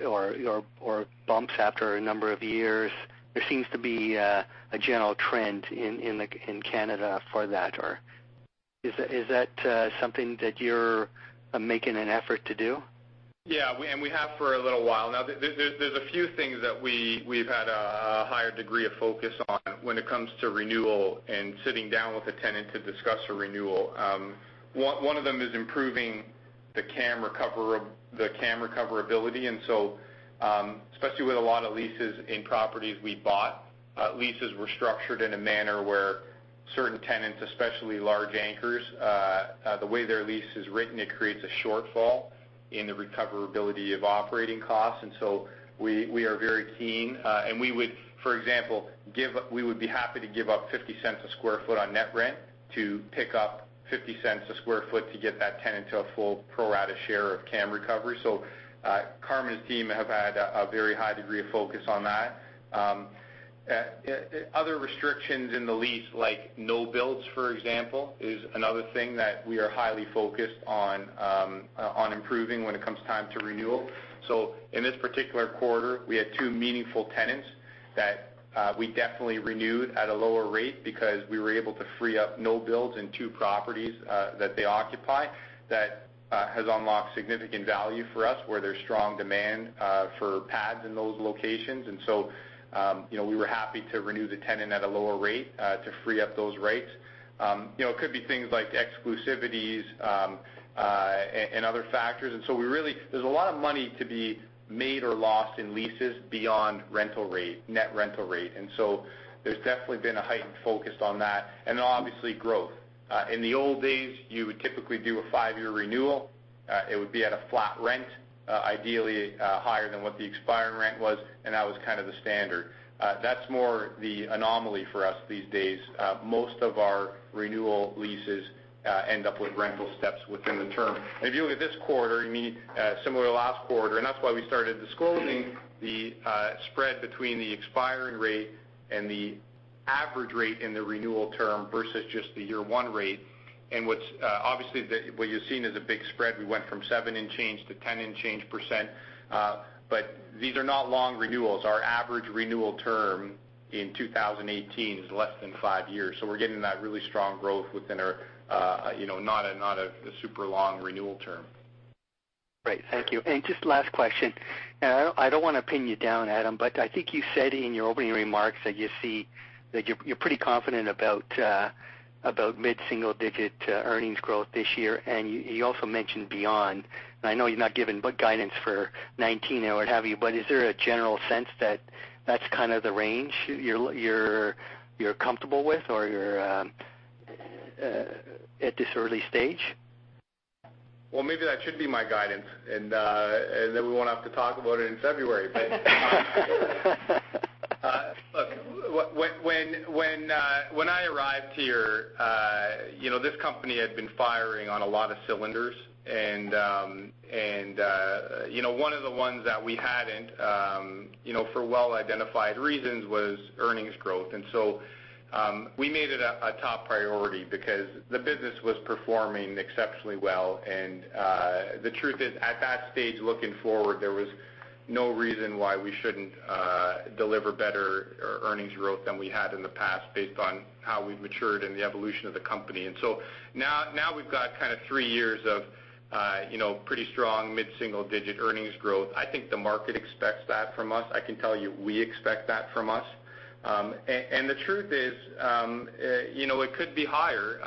bumps after a number of years? There seems to be a general trend in Canada for that. Is that something that you're making an effort to do? Yeah. We have for a little while now. There's a few things that we've had a higher degree of focus on when it comes to renewal and sitting down with a tenant to discuss a renewal. One of them is improving the CAM recoverability. Especially with a lot of leases in properties we bought, leases were structured in a manner where certain tenants, especially large anchors, the way their lease is written, it creates a shortfall in the recoverability of operating costs. We are very keen. We would, for example, be happy to give up 0.50 a square foot on net rent to pick up 0.50 a square foot to get that tenant to a full pro rata share of CAM recovery. Carmine's team have had a very high degree of focus on that. Other restrictions in the lease, like no builds, for example, is another thing that we are highly focused on improving when it comes time to renewal. In this particular quarter, we had two meaningful tenants that we definitely renewed at a lower rate because we were able to free up no builds in two properties that they occupy. That has unlocked significant value for us where there's strong demand for pads in those locations. We were happy to renew the tenant at a lower rate, to free up those rates. It could be things like exclusivities, and other factors. There's a lot of money to be made or lost in leases beyond net rental rate. There's definitely been a heightened focus on that. Then obviously growth. In the old days, you would typically do a five-year renewal. It would be at a flat rent, ideally, higher than what the expiring rent was. That was kind of the standard. That's more the anomaly for us these days. Most of our renewal leases end up with rental steps within the term. If you look at this quarter, similar to last quarter, that's why we started disclosing the spread between the expiring rate and the average rate in the renewal term versus just the year one rate. Obviously, what you're seeing is a big spread. We went from 7 and change to 10 and change %. These are not long renewals. Our average renewal term in 2018 is less than five years. We're getting that really strong growth within not a super long renewal term. Great. Thank you. Just last question. I don't want to pin you down, Adam. I think you said in your opening remarks that you're pretty confident about mid-single-digit earnings growth this year. You also mentioned beyond. I know you've not given but guidance for 2019 or what have you. Is there a general sense that that's kind of the range you're comfortable with at this early stage? Well, maybe that should be my guidance. Then we won't have to talk about it in February. Look, when I arrived here, this company had been firing on a lot of cylinders. One of the ones that we hadn't, for well-identified reasons, was earnings growth. We made it a top priority because the business was performing exceptionally well. The truth is, at that stage, looking forward, there was no reason why we shouldn't deliver better earnings growth than we had in the past based on how we've matured and the evolution of the company. Now we've got kind of three years of pretty strong mid-single-digit earnings growth. I think the market expects that from us. I can tell you, we expect that from us. The truth is, it could be higher.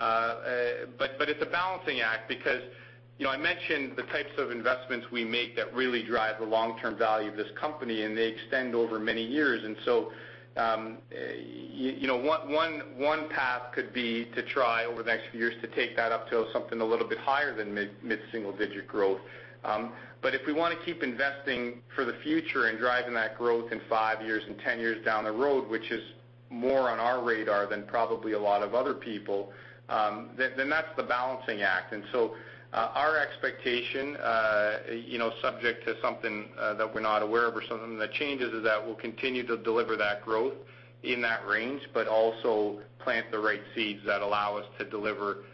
It's a balancing act because I mentioned the types of investments we make that really drive the long-term value of this company. They extend over many years. One path could be to try, over the next few years, to take that up to something a little bit higher than mid-single-digit growth. If we want to keep investing for the future and driving that growth in 5 years and 10 years down the road, which is more on our radar than probably a lot of other people, that's the balancing act. Our expectation, subject to something that we're not aware of or something that changes, is that we'll continue to deliver that growth in that range, also plant the right seeds that allow us to deliver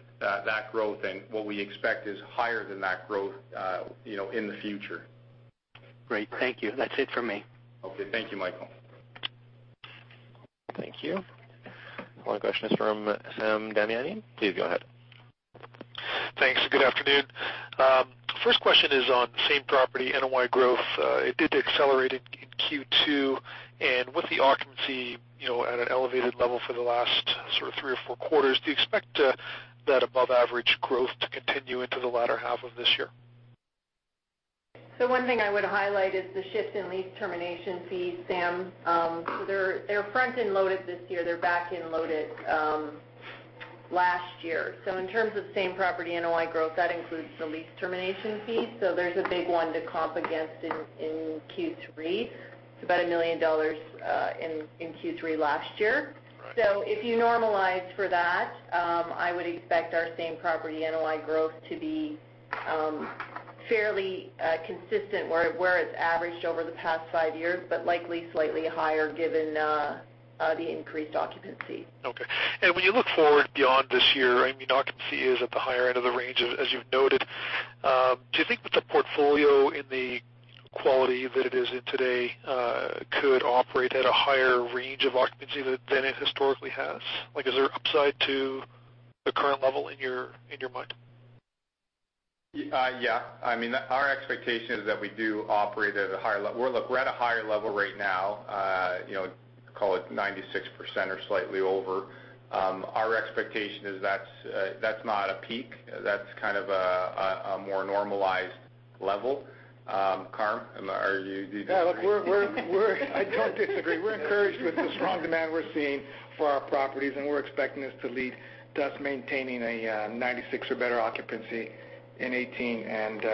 that growth and what we expect is higher than that growth in the future. Great. Thank you. That's it from me. Okay. Thank you, Michael. Thank you. One question is from Sam Damiani. Please go ahead. Thanks. Good afternoon. First question is on same-property NOI growth. It did accelerate in Q2, and with the occupancy at an elevated level for the last sort of three or four quarters, do you expect that above-average growth to continue into the latter half of this year? One thing I would highlight is the shift in lease termination fees, Sam. They're front-end loaded this year. They're back-end loaded last year. In terms of same-property NOI growth, that includes the lease termination fees. There's a big one to comp against in Q3. It's about 1 million dollars in Q3 last year. Right. If you normalize for that, I would expect our same-property NOI growth to be fairly consistent where it's averaged over the past five years, but likely slightly higher given the increased occupancy. Okay. When you look forward beyond this year, I mean, occupancy is at the higher end of the range, as you've noted. Do you think with the portfolio in the quality that it is in today could operate at a higher range of occupancy than it historically has? Is there upside to the current level in your mind? Yeah. I mean, our expectation is that we do operate at a higher level. Look, we're at a higher level right now. Call it 96% or slightly over. Our expectation is that's not a peak. That's kind of a more normalized level. Carm, do you? Yeah, look, I don't disagree. We're encouraged with the strong demand we're seeing for our properties. We're expecting this to lead, thus maintaining a 96 or better occupancy in 2018 and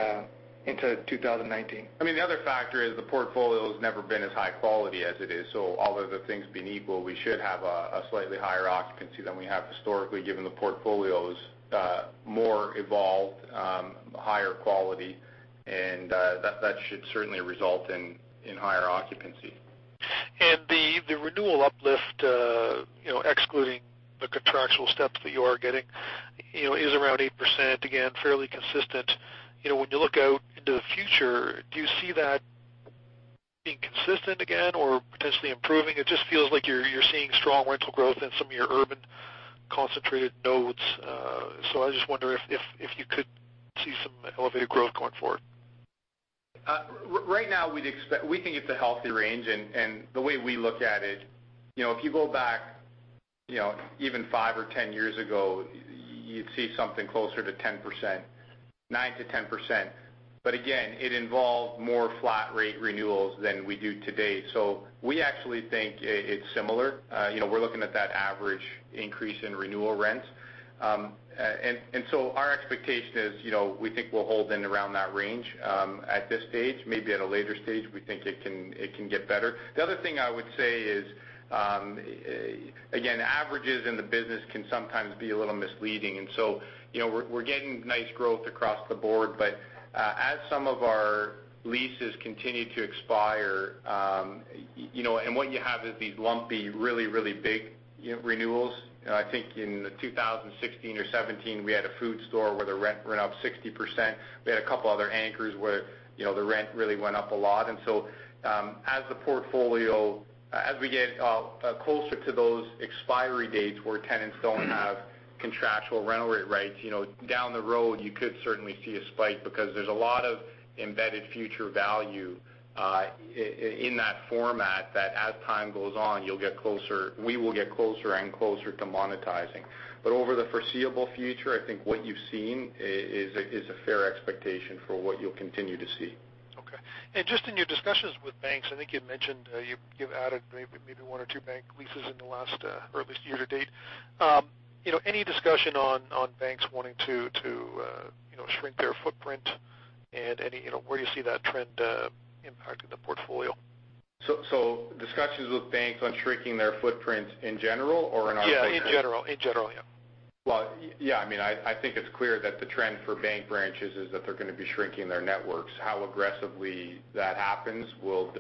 into 2019. I mean, the other factor is the portfolio's never been as high quality as it is. Although the things being equal, we should have a slightly higher occupancy than we have historically, given the portfolio is more evolved, higher quality, and that should certainly result in higher occupancy. The renewal uplift, excluding the contractual steps that you are getting, is around 8%, again, fairly consistent. When you look out into the future, do you see that being consistent again or potentially improving? It just feels like you're seeing strong rental growth in some of your urban concentrated nodes. I just wonder if you could see some elevated growth going forward. Right now, we think it's a healthy range. The way we look at it, if you go back even five or 10 years ago, you'd see something closer to 10%, 9%-10%. Again, it involved more flat rate renewals than we do today. We actually think it's similar. We're looking at that average increase in renewal rents. Our expectation is we think we'll hold in around that range at this stage. Maybe at a later stage, we think it can get better. The other thing I would say is, again, averages in the business can sometimes be a little misleading. We're getting nice growth across the board. As some of our leases continue to expire, what you have is these lumpy, really big renewals. I think in 2016 or 2017, we had a food store where the rent went up 60%. We had a couple other anchors where the rent really went up a lot. As we get closer to those expiry dates where tenants don't have contractual rental rates. Down the road, you could certainly see a spike because there's a lot of embedded future value in that format that as time goes on, we will get closer and closer to monetizing. Over the foreseeable future, I think what you've seen is a fair expectation for what you'll continue to see. Okay. Just in your discussions with banks, I think you mentioned, you've added maybe one or two bank leases in the last, or at least year-to-date. Any discussion on banks wanting to shrink their footprint and where do you see that trend impacting the portfolio? Discussions with banks on shrinking their footprint in general or in our Yeah, in general. Yeah, I think it's clear that the trend for bank branches is that they're going to be shrinking their networks. How aggressively that happens will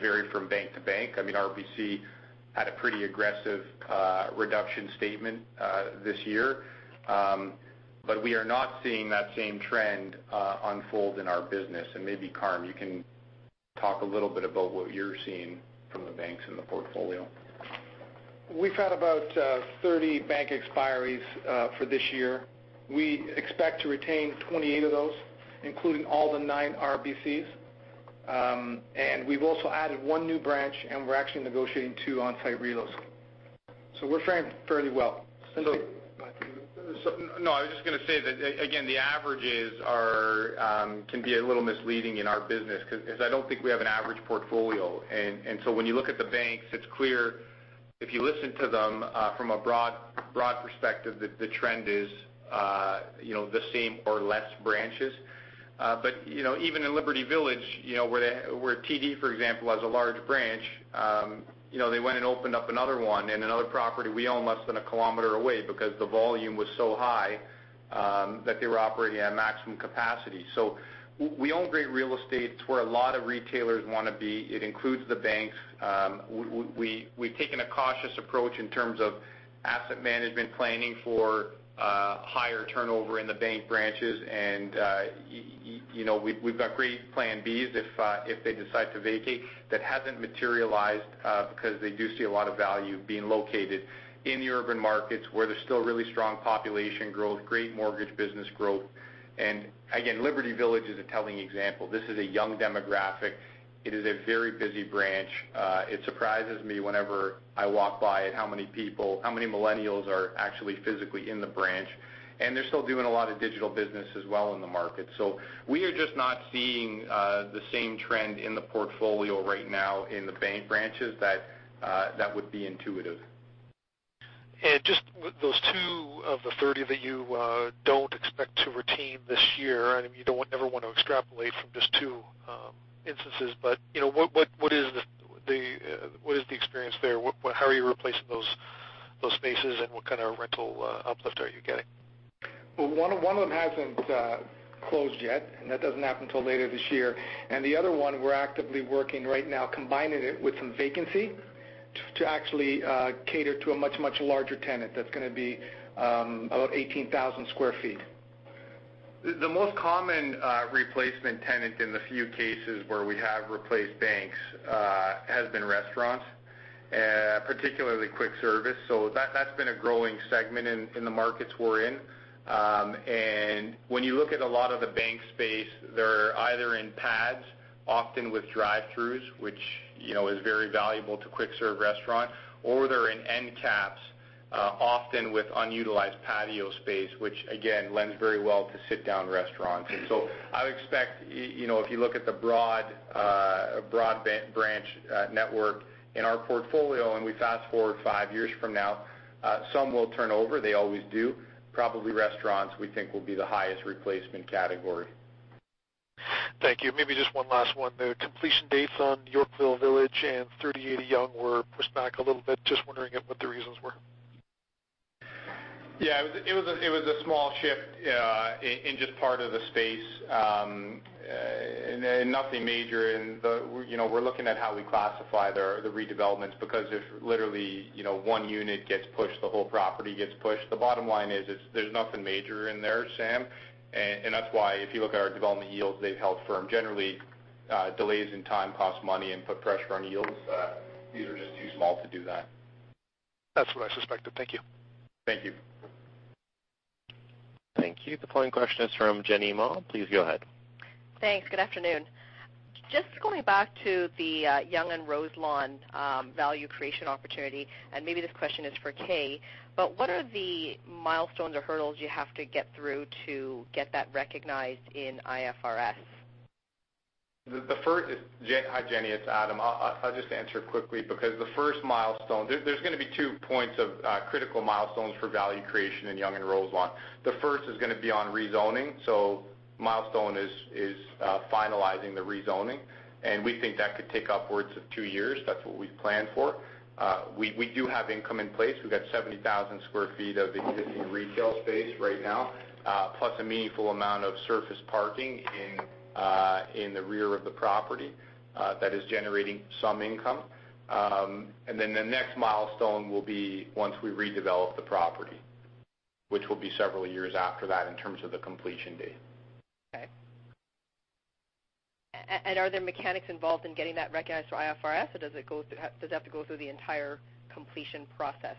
vary from bank to bank. RBC had a pretty aggressive reduction statement this year. We are not seeing that same trend unfold in our business. Maybe Carmine, you can talk a little bit about what you're seeing from the banks in the portfolio. We've had about 30 bank expiries for this year. We expect to retain 28 of those, including all the nine RBCs. We've also added one new branch, and we're actually negotiating two on-site re-leases. We're fairing fairly well. No, I was just going to say that, again, the averages can be a little misleading in our business, because I don't think we have an average portfolio. When you look at the banks, it's clear, if you listen to them, from a broad perspective that the trend is the same or less branches. Even in Liberty Village, where TD, for example, has a large branch, they went and opened up another one in another property we own less than a kilometer away because the volume was so high that they were operating at maximum capacity. We own great real estate. It's where a lot of retailers want to be. It includes the banks. We've taken a cautious approach in terms of asset management planning for higher turnover in the bank branches. We've got great plan Bs if they decide to vacate. That hasn't materialized, because they do see a lot of value being located in the urban markets where there's still really strong population growth, great mortgage business growth. Again, Liberty Village is a telling example. This is a young demographic. It is a very busy branch. It surprises me whenever I walk by it, how many millennials are actually physically in the branch. They're still doing a lot of digital business as well in the market. We are just not seeing the same trend in the portfolio right now in the bank branches that would be intuitive. Just those two of the 30 that you don't expect to retain this year, and you never want to extrapolate from just two instances, but what is the experience there? How are you replacing those spaces and what kind of rental uplift are you getting? Well, one of them hasn't closed yet, and that doesn't happen till later this year. The other one we're actively working right now, combining it with some vacancy to actually cater to a much, much larger tenant that's going to be about 18,000 sq ft. The most common replacement tenant in the few cases where we have replaced banks, has been restaurants, particularly quick service. That's been a growing segment in the markets we're in. When you look at a lot of the bank space, they're either in pads, often with drive-throughs, which is very valuable to quick serve restaurant, or they're in end caps, often with unutilized patio space, which again, lends very well to sit-down restaurants. I would expect, if you look at the broad branch network in our portfolio, and we fast-forward five years from now, some will turn over. They always do. Probably restaurants, we think, will be the highest replacement category. Thank you. Maybe just one last one. The completion dates on Yorkville Village and 3080 Yonge were pushed back a little bit. Just wondering what the reasons were. Yeah. It was a small shift in just part of the space. We're looking at how we classify the redevelopments, because if literally, one unit gets pushed, the whole property gets pushed. The bottom line is, there's nothing major in there, Sam. That's why if you look at our development yields, they've held firm. Generally, delays in time cost money and put pressure on yields. These are just too small to do that. That's what I suspected. Thank you. Thank you. Thank you. The following question is from Jenny Ma. Please go ahead. Thanks. Good afternoon. Just going back to the Yonge and Roselawn value creation opportunity. Maybe this question is for Kay. What are the milestones or hurdles you have to get through to get that recognized in IFRS? Hi, Jenny. It's Adam. I'll just answer quickly. There's going to be two points of critical milestones for value creation in Yonge and Roselawn. The first is going to be on rezoning. Milestone is finalizing the rezoning. We think that could take upwards of two years. That's what we've planned for. We do have income in place. We've got 70,000 sq ft of existing retail space right now, plus a meaningful amount of surface parking in the rear of the property that is generating some income. Then the next milestone will be once we redevelop the property, which will be several years after that in terms of the completion date. Okay. Are there mechanics involved in getting that recognized through IFRS, or does it have to go through the entire completion process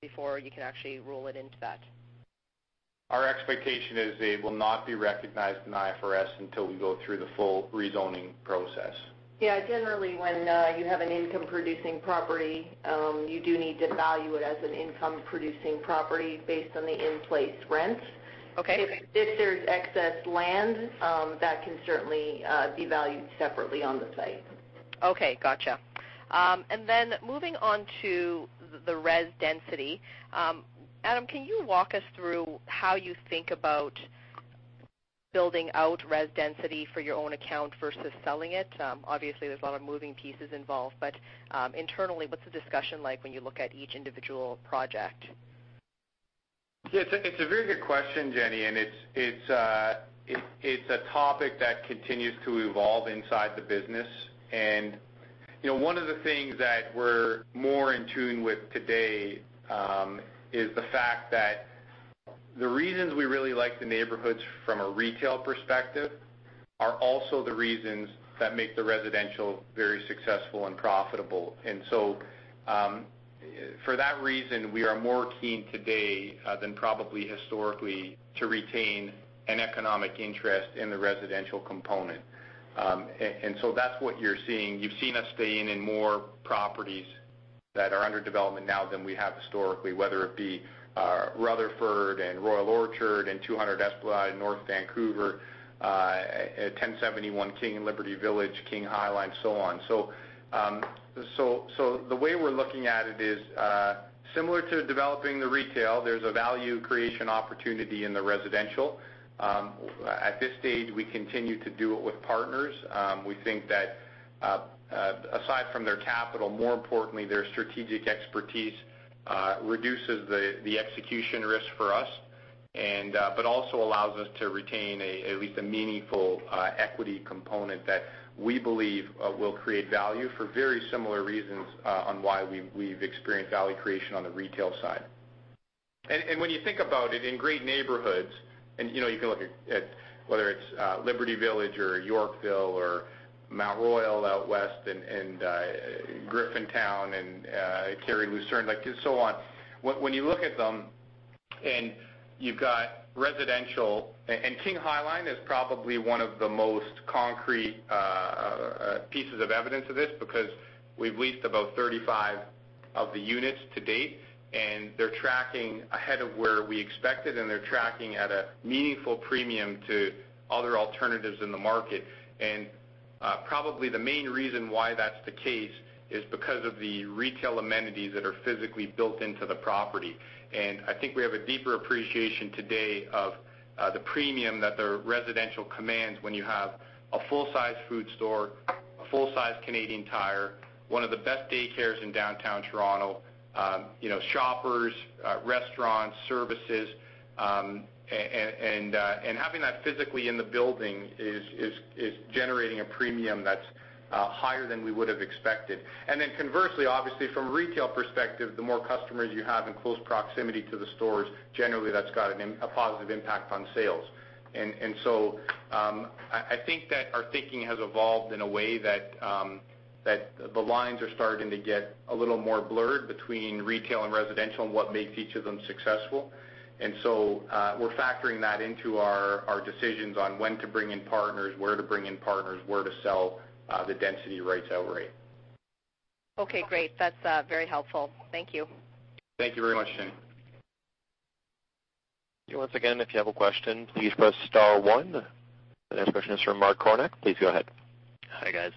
before you can actually roll it into that? Our expectation is it will not be recognized in IFRS until we go through the full rezoning process. Yeah, generally, when you have an income-producing property, you do need to value it as an income-producing property based on the in-place rent. Okay. If there's excess land, that can certainly be valued separately on the site. Okay, gotcha. Moving on to the res density. Adam, can you walk us through how you think about building out res density for your own account versus selling it? Obviously, there's a lot of moving pieces involved, but internally, what's the discussion like when you look at each individual project? Yeah, it's a very good question, Jenny, it's a topic that continues to evolve inside the business. One of the things that we're more in tune with today is the fact that the reasons we really like the neighborhoods from a retail perspective are also the reasons that make the residential very successful and profitable. For that reason, we are more keen today than probably historically to retain an economic interest in the residential component. That's what you're seeing. You've seen us staying in more properties that are under development now than we have historically, whether it be Rutherford and Royal Orchard and 200 Esplanade in North Vancouver, 1071 King in Liberty Village, King High Line. The way we're looking at it is similar to developing the retail. There's a value creation opportunity in the residential. At this stage, we continue to do it with partners. We think that aside from their capital, more importantly, their strategic expertise reduces the execution risk for us. Also allows us to retain at least a meaningful equity component that we believe will create value for very similar reasons on why we've experienced value creation on the retail side. When you think about it, in great neighborhoods, you can look at whether it's Liberty Village or Yorkville or Mount Royal out west and Griffintown and Carrefour Lucerne, and so on. When you look at them and you've got residential. King High Line is probably one of the most concrete pieces of evidence of this, because we've leased about 35 of the units to date, and they're tracking ahead of where we expected, and they're tracking at a meaningful premium to other alternatives in the market. Probably the main reason why that's the case is because of the retail amenities that are physically built into the property. I think we have a deeper appreciation today of the premium that the residential commands when you have a full-size food store, a full-size Canadian Tire, one of the best daycares in downtown Toronto, shoppers, restaurants, services. Having that physically in the building is generating a premium that's higher than we would have expected. Conversely, obviously, from a retail perspective, the more customers you have in close proximity to the stores, generally, that's got a positive impact on sales. I think that our thinking has evolved in a way that the lines are starting to get a little more blurred between retail and residential and what makes each of them successful. We're factoring that into our decisions on when to bring in partners, where to bring in partners, where to sell the density rights outright. Okay, great. That's very helpful. Thank you. Thank you very much, Jenny. Once again, if you have a question, please press *1. The next question is from Matt Kornack. Please go ahead. Hi, guys.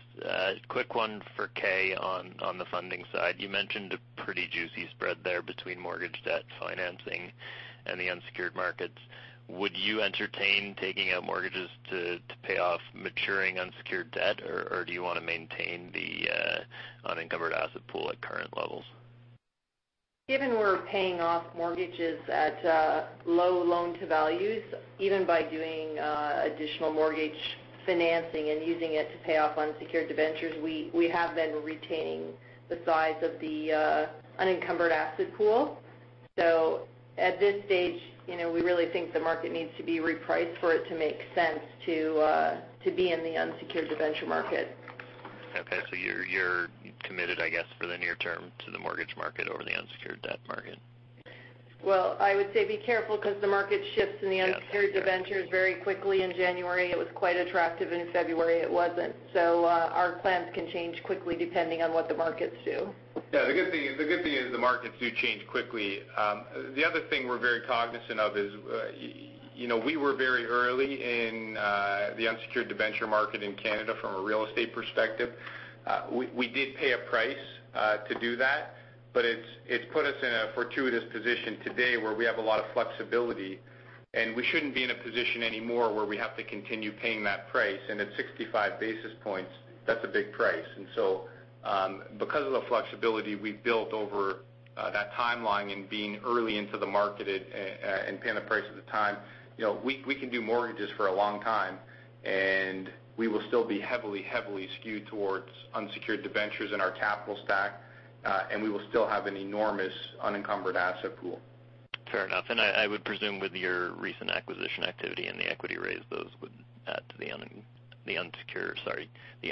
Quick one for Kay on the funding side. You mentioned a pretty juicy spread there between mortgage debt financing and the unsecured markets. Would you entertain taking out mortgages to pay off maturing unsecured debt, or do you want to maintain the unencumbered asset pool at current levels? Given we're paying off mortgages at low loan to values, even by doing additional mortgage financing and using it to pay off unsecured debentures, we have been retaining the size of the unencumbered asset pool. At this stage, we really think the market needs to be repriced for it to make sense to be in the unsecured debenture market. Okay, you're committed, I guess, for the near term to the mortgage market over the unsecured debt market? Well, I would say be careful because the market shifts in the unsecured debentures Yeah. very quickly. In January, it was quite attractive, and in February, it wasn't. Our plans can change quickly depending on what the markets do. Yeah, the good thing is the markets do change quickly. The other thing we're very cognizant of is we were very early in the unsecured debenture market in Canada from a real estate perspective. We did pay a price to do that, but it's put us in a fortuitous position today where we have a lot of flexibility, and we shouldn't be in a position anymore where we have to continue paying that price. At 65 basis points, that's a big price. Because of the flexibility we built over that timeline and being early into the market and paying the price at the time, we can do mortgages for a long time, and we will still be heavily skewed towards unsecured debentures in our capital stack, and we will still have an enormous unencumbered asset pool. Fair enough. I would presume with your recent acquisition activity and the equity raise, those would add to the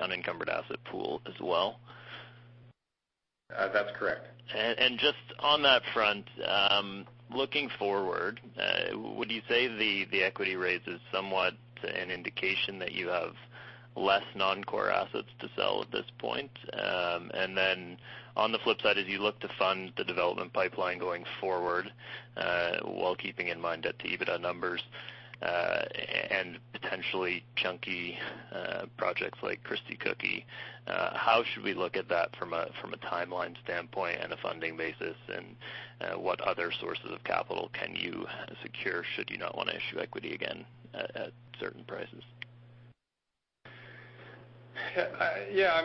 unencumbered asset pool as well. That's correct. Just on that front, looking forward, would you say the equity raise is somewhat an indication that you have less non-core assets to sell at this point? On the flip side, as you look to fund the development pipeline going forward, while keeping in mind debt-to-EBITDA numbers, potentially chunky projects like Christie Cookie, how should we look at that from a timeline standpoint and a funding basis, what other sources of capital can you secure should you not want to issue equity again at certain prices? Yeah,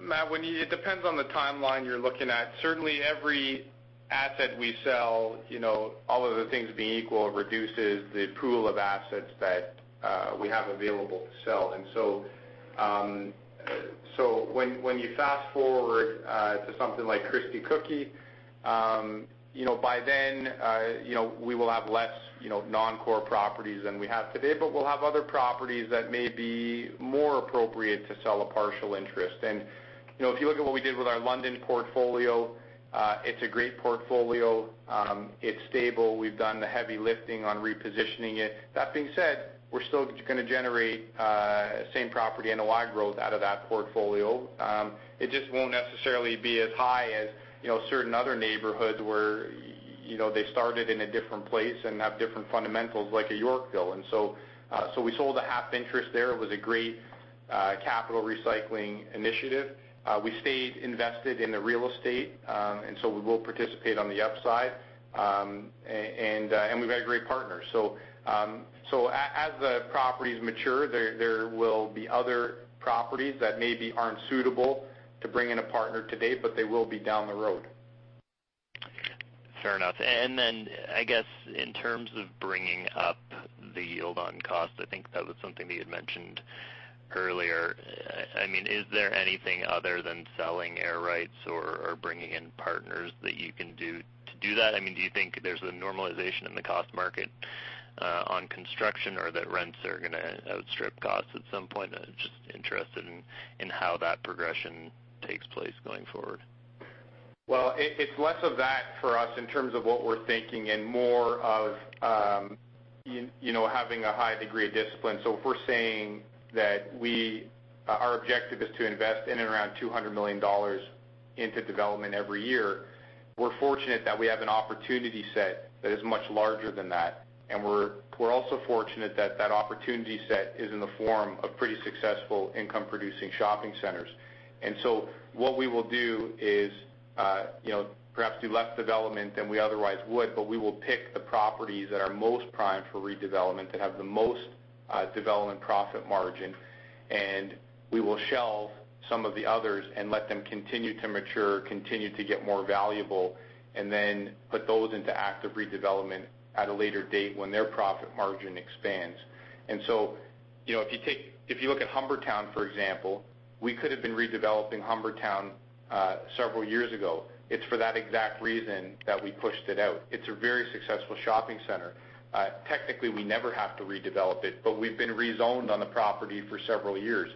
Matt, it depends on the timeline you're looking at. Certainly, every asset we sell, all of the things being equal, reduces the pool of assets that we have available to sell. When you fast-forward to something like Christie Cookie, by then, we will have less non-core properties than we have today. We'll have other properties that may be more appropriate to sell a partial interest in. If you look at what we did with our London portfolio, it's a great portfolio. It's stable. We've done the heavy lifting on repositioning it. That being said, we're still going to generate same-property NOI growth out of that portfolio. It just won't necessarily be as high as certain other neighborhoods where they started in a different place and have different fundamentals, like at Yorkville. We sold a half interest there. It was a great capital recycling initiative. We stayed invested in the real estate, we will participate on the upside. We've got great partners. As the properties mature, there will be other properties that maybe aren't suitable to bring in a partner today, but they will be down the road. Fair enough. I guess, in terms of bringing up the yield on cost, I think that was something that you'd mentioned earlier. Is there anything other than selling air rights or bringing in partners that you can do to do that? Do you think there's a normalization in the cost market on construction, or that rents are going to outstrip costs at some point? Just interested in how that progression takes place going forward. Well, it's less of that for us in terms of what we're thinking, and more of having a high degree of discipline. If we're saying that our objective is to invest in and around 200 million dollars into development every year, we're fortunate that we have an opportunity set that is much larger than that. We're also fortunate that that opportunity set is in the form of pretty successful income-producing shopping centers. What we will do is perhaps do less development than we otherwise would, but we will pick the properties that are most prime for redevelopment, that have the most development profit margin, and we will shelve some of the others and let them continue to mature, continue to get more valuable. Put those into active redevelopment at a later date when their profit margin expands. If you look at Humbertown, for example, we could have been redeveloping Humbertown several years ago. It's for that exact reason that we pushed it out. It's a very successful shopping center. Technically, we never have to redevelop it. We've been rezoned on the property for several years.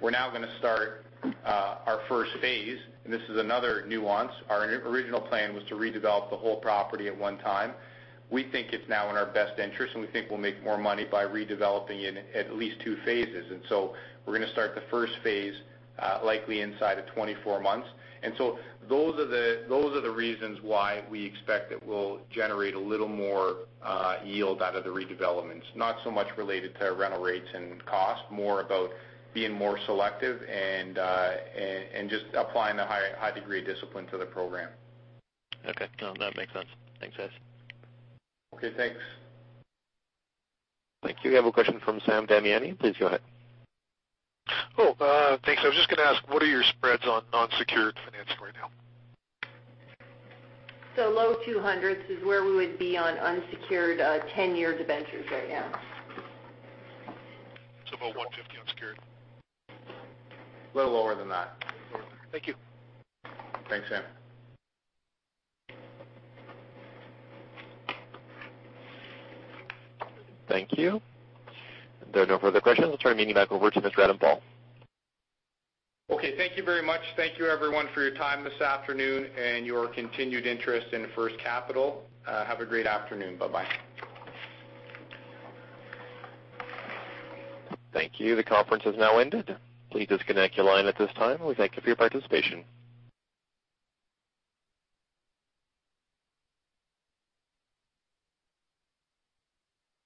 We're now going to start our first phase, this is another nuance. Our original plan was to redevelop the whole property at one time. We think it's now in our best interest, and we think we'll make more money by redeveloping it in at least two phases. We're going to start the first phase likely inside of 24 months. Those are the reasons why we expect that we'll generate a little more yield out of the redevelopments. Not so much related to rental rates and cost, more about being more selective and just applying a high degree of discipline to the program. Okay. No, that makes sense. Thanks, guys. Okay, thanks. Thank you. We have a question from Sam Damiani. Please go ahead. Oh, thanks. I was just going to ask, what are your spreads on unsecured financing right now? low 200s is where we would be on unsecured 10-year debentures right now. It's about 150 unsecured. Little lower than that. Thank you. Thanks, Sam. Thank you. There are no further questions. I'll turn the meeting back over to Mr. Adam Paul. Okay, thank you very much. Thank you everyone for your time this afternoon and your continued interest in First Capital. Have a great afternoon. Bye-bye. Thank you. The conference has now ended. Please disconnect your line at this time. We thank you for your participation.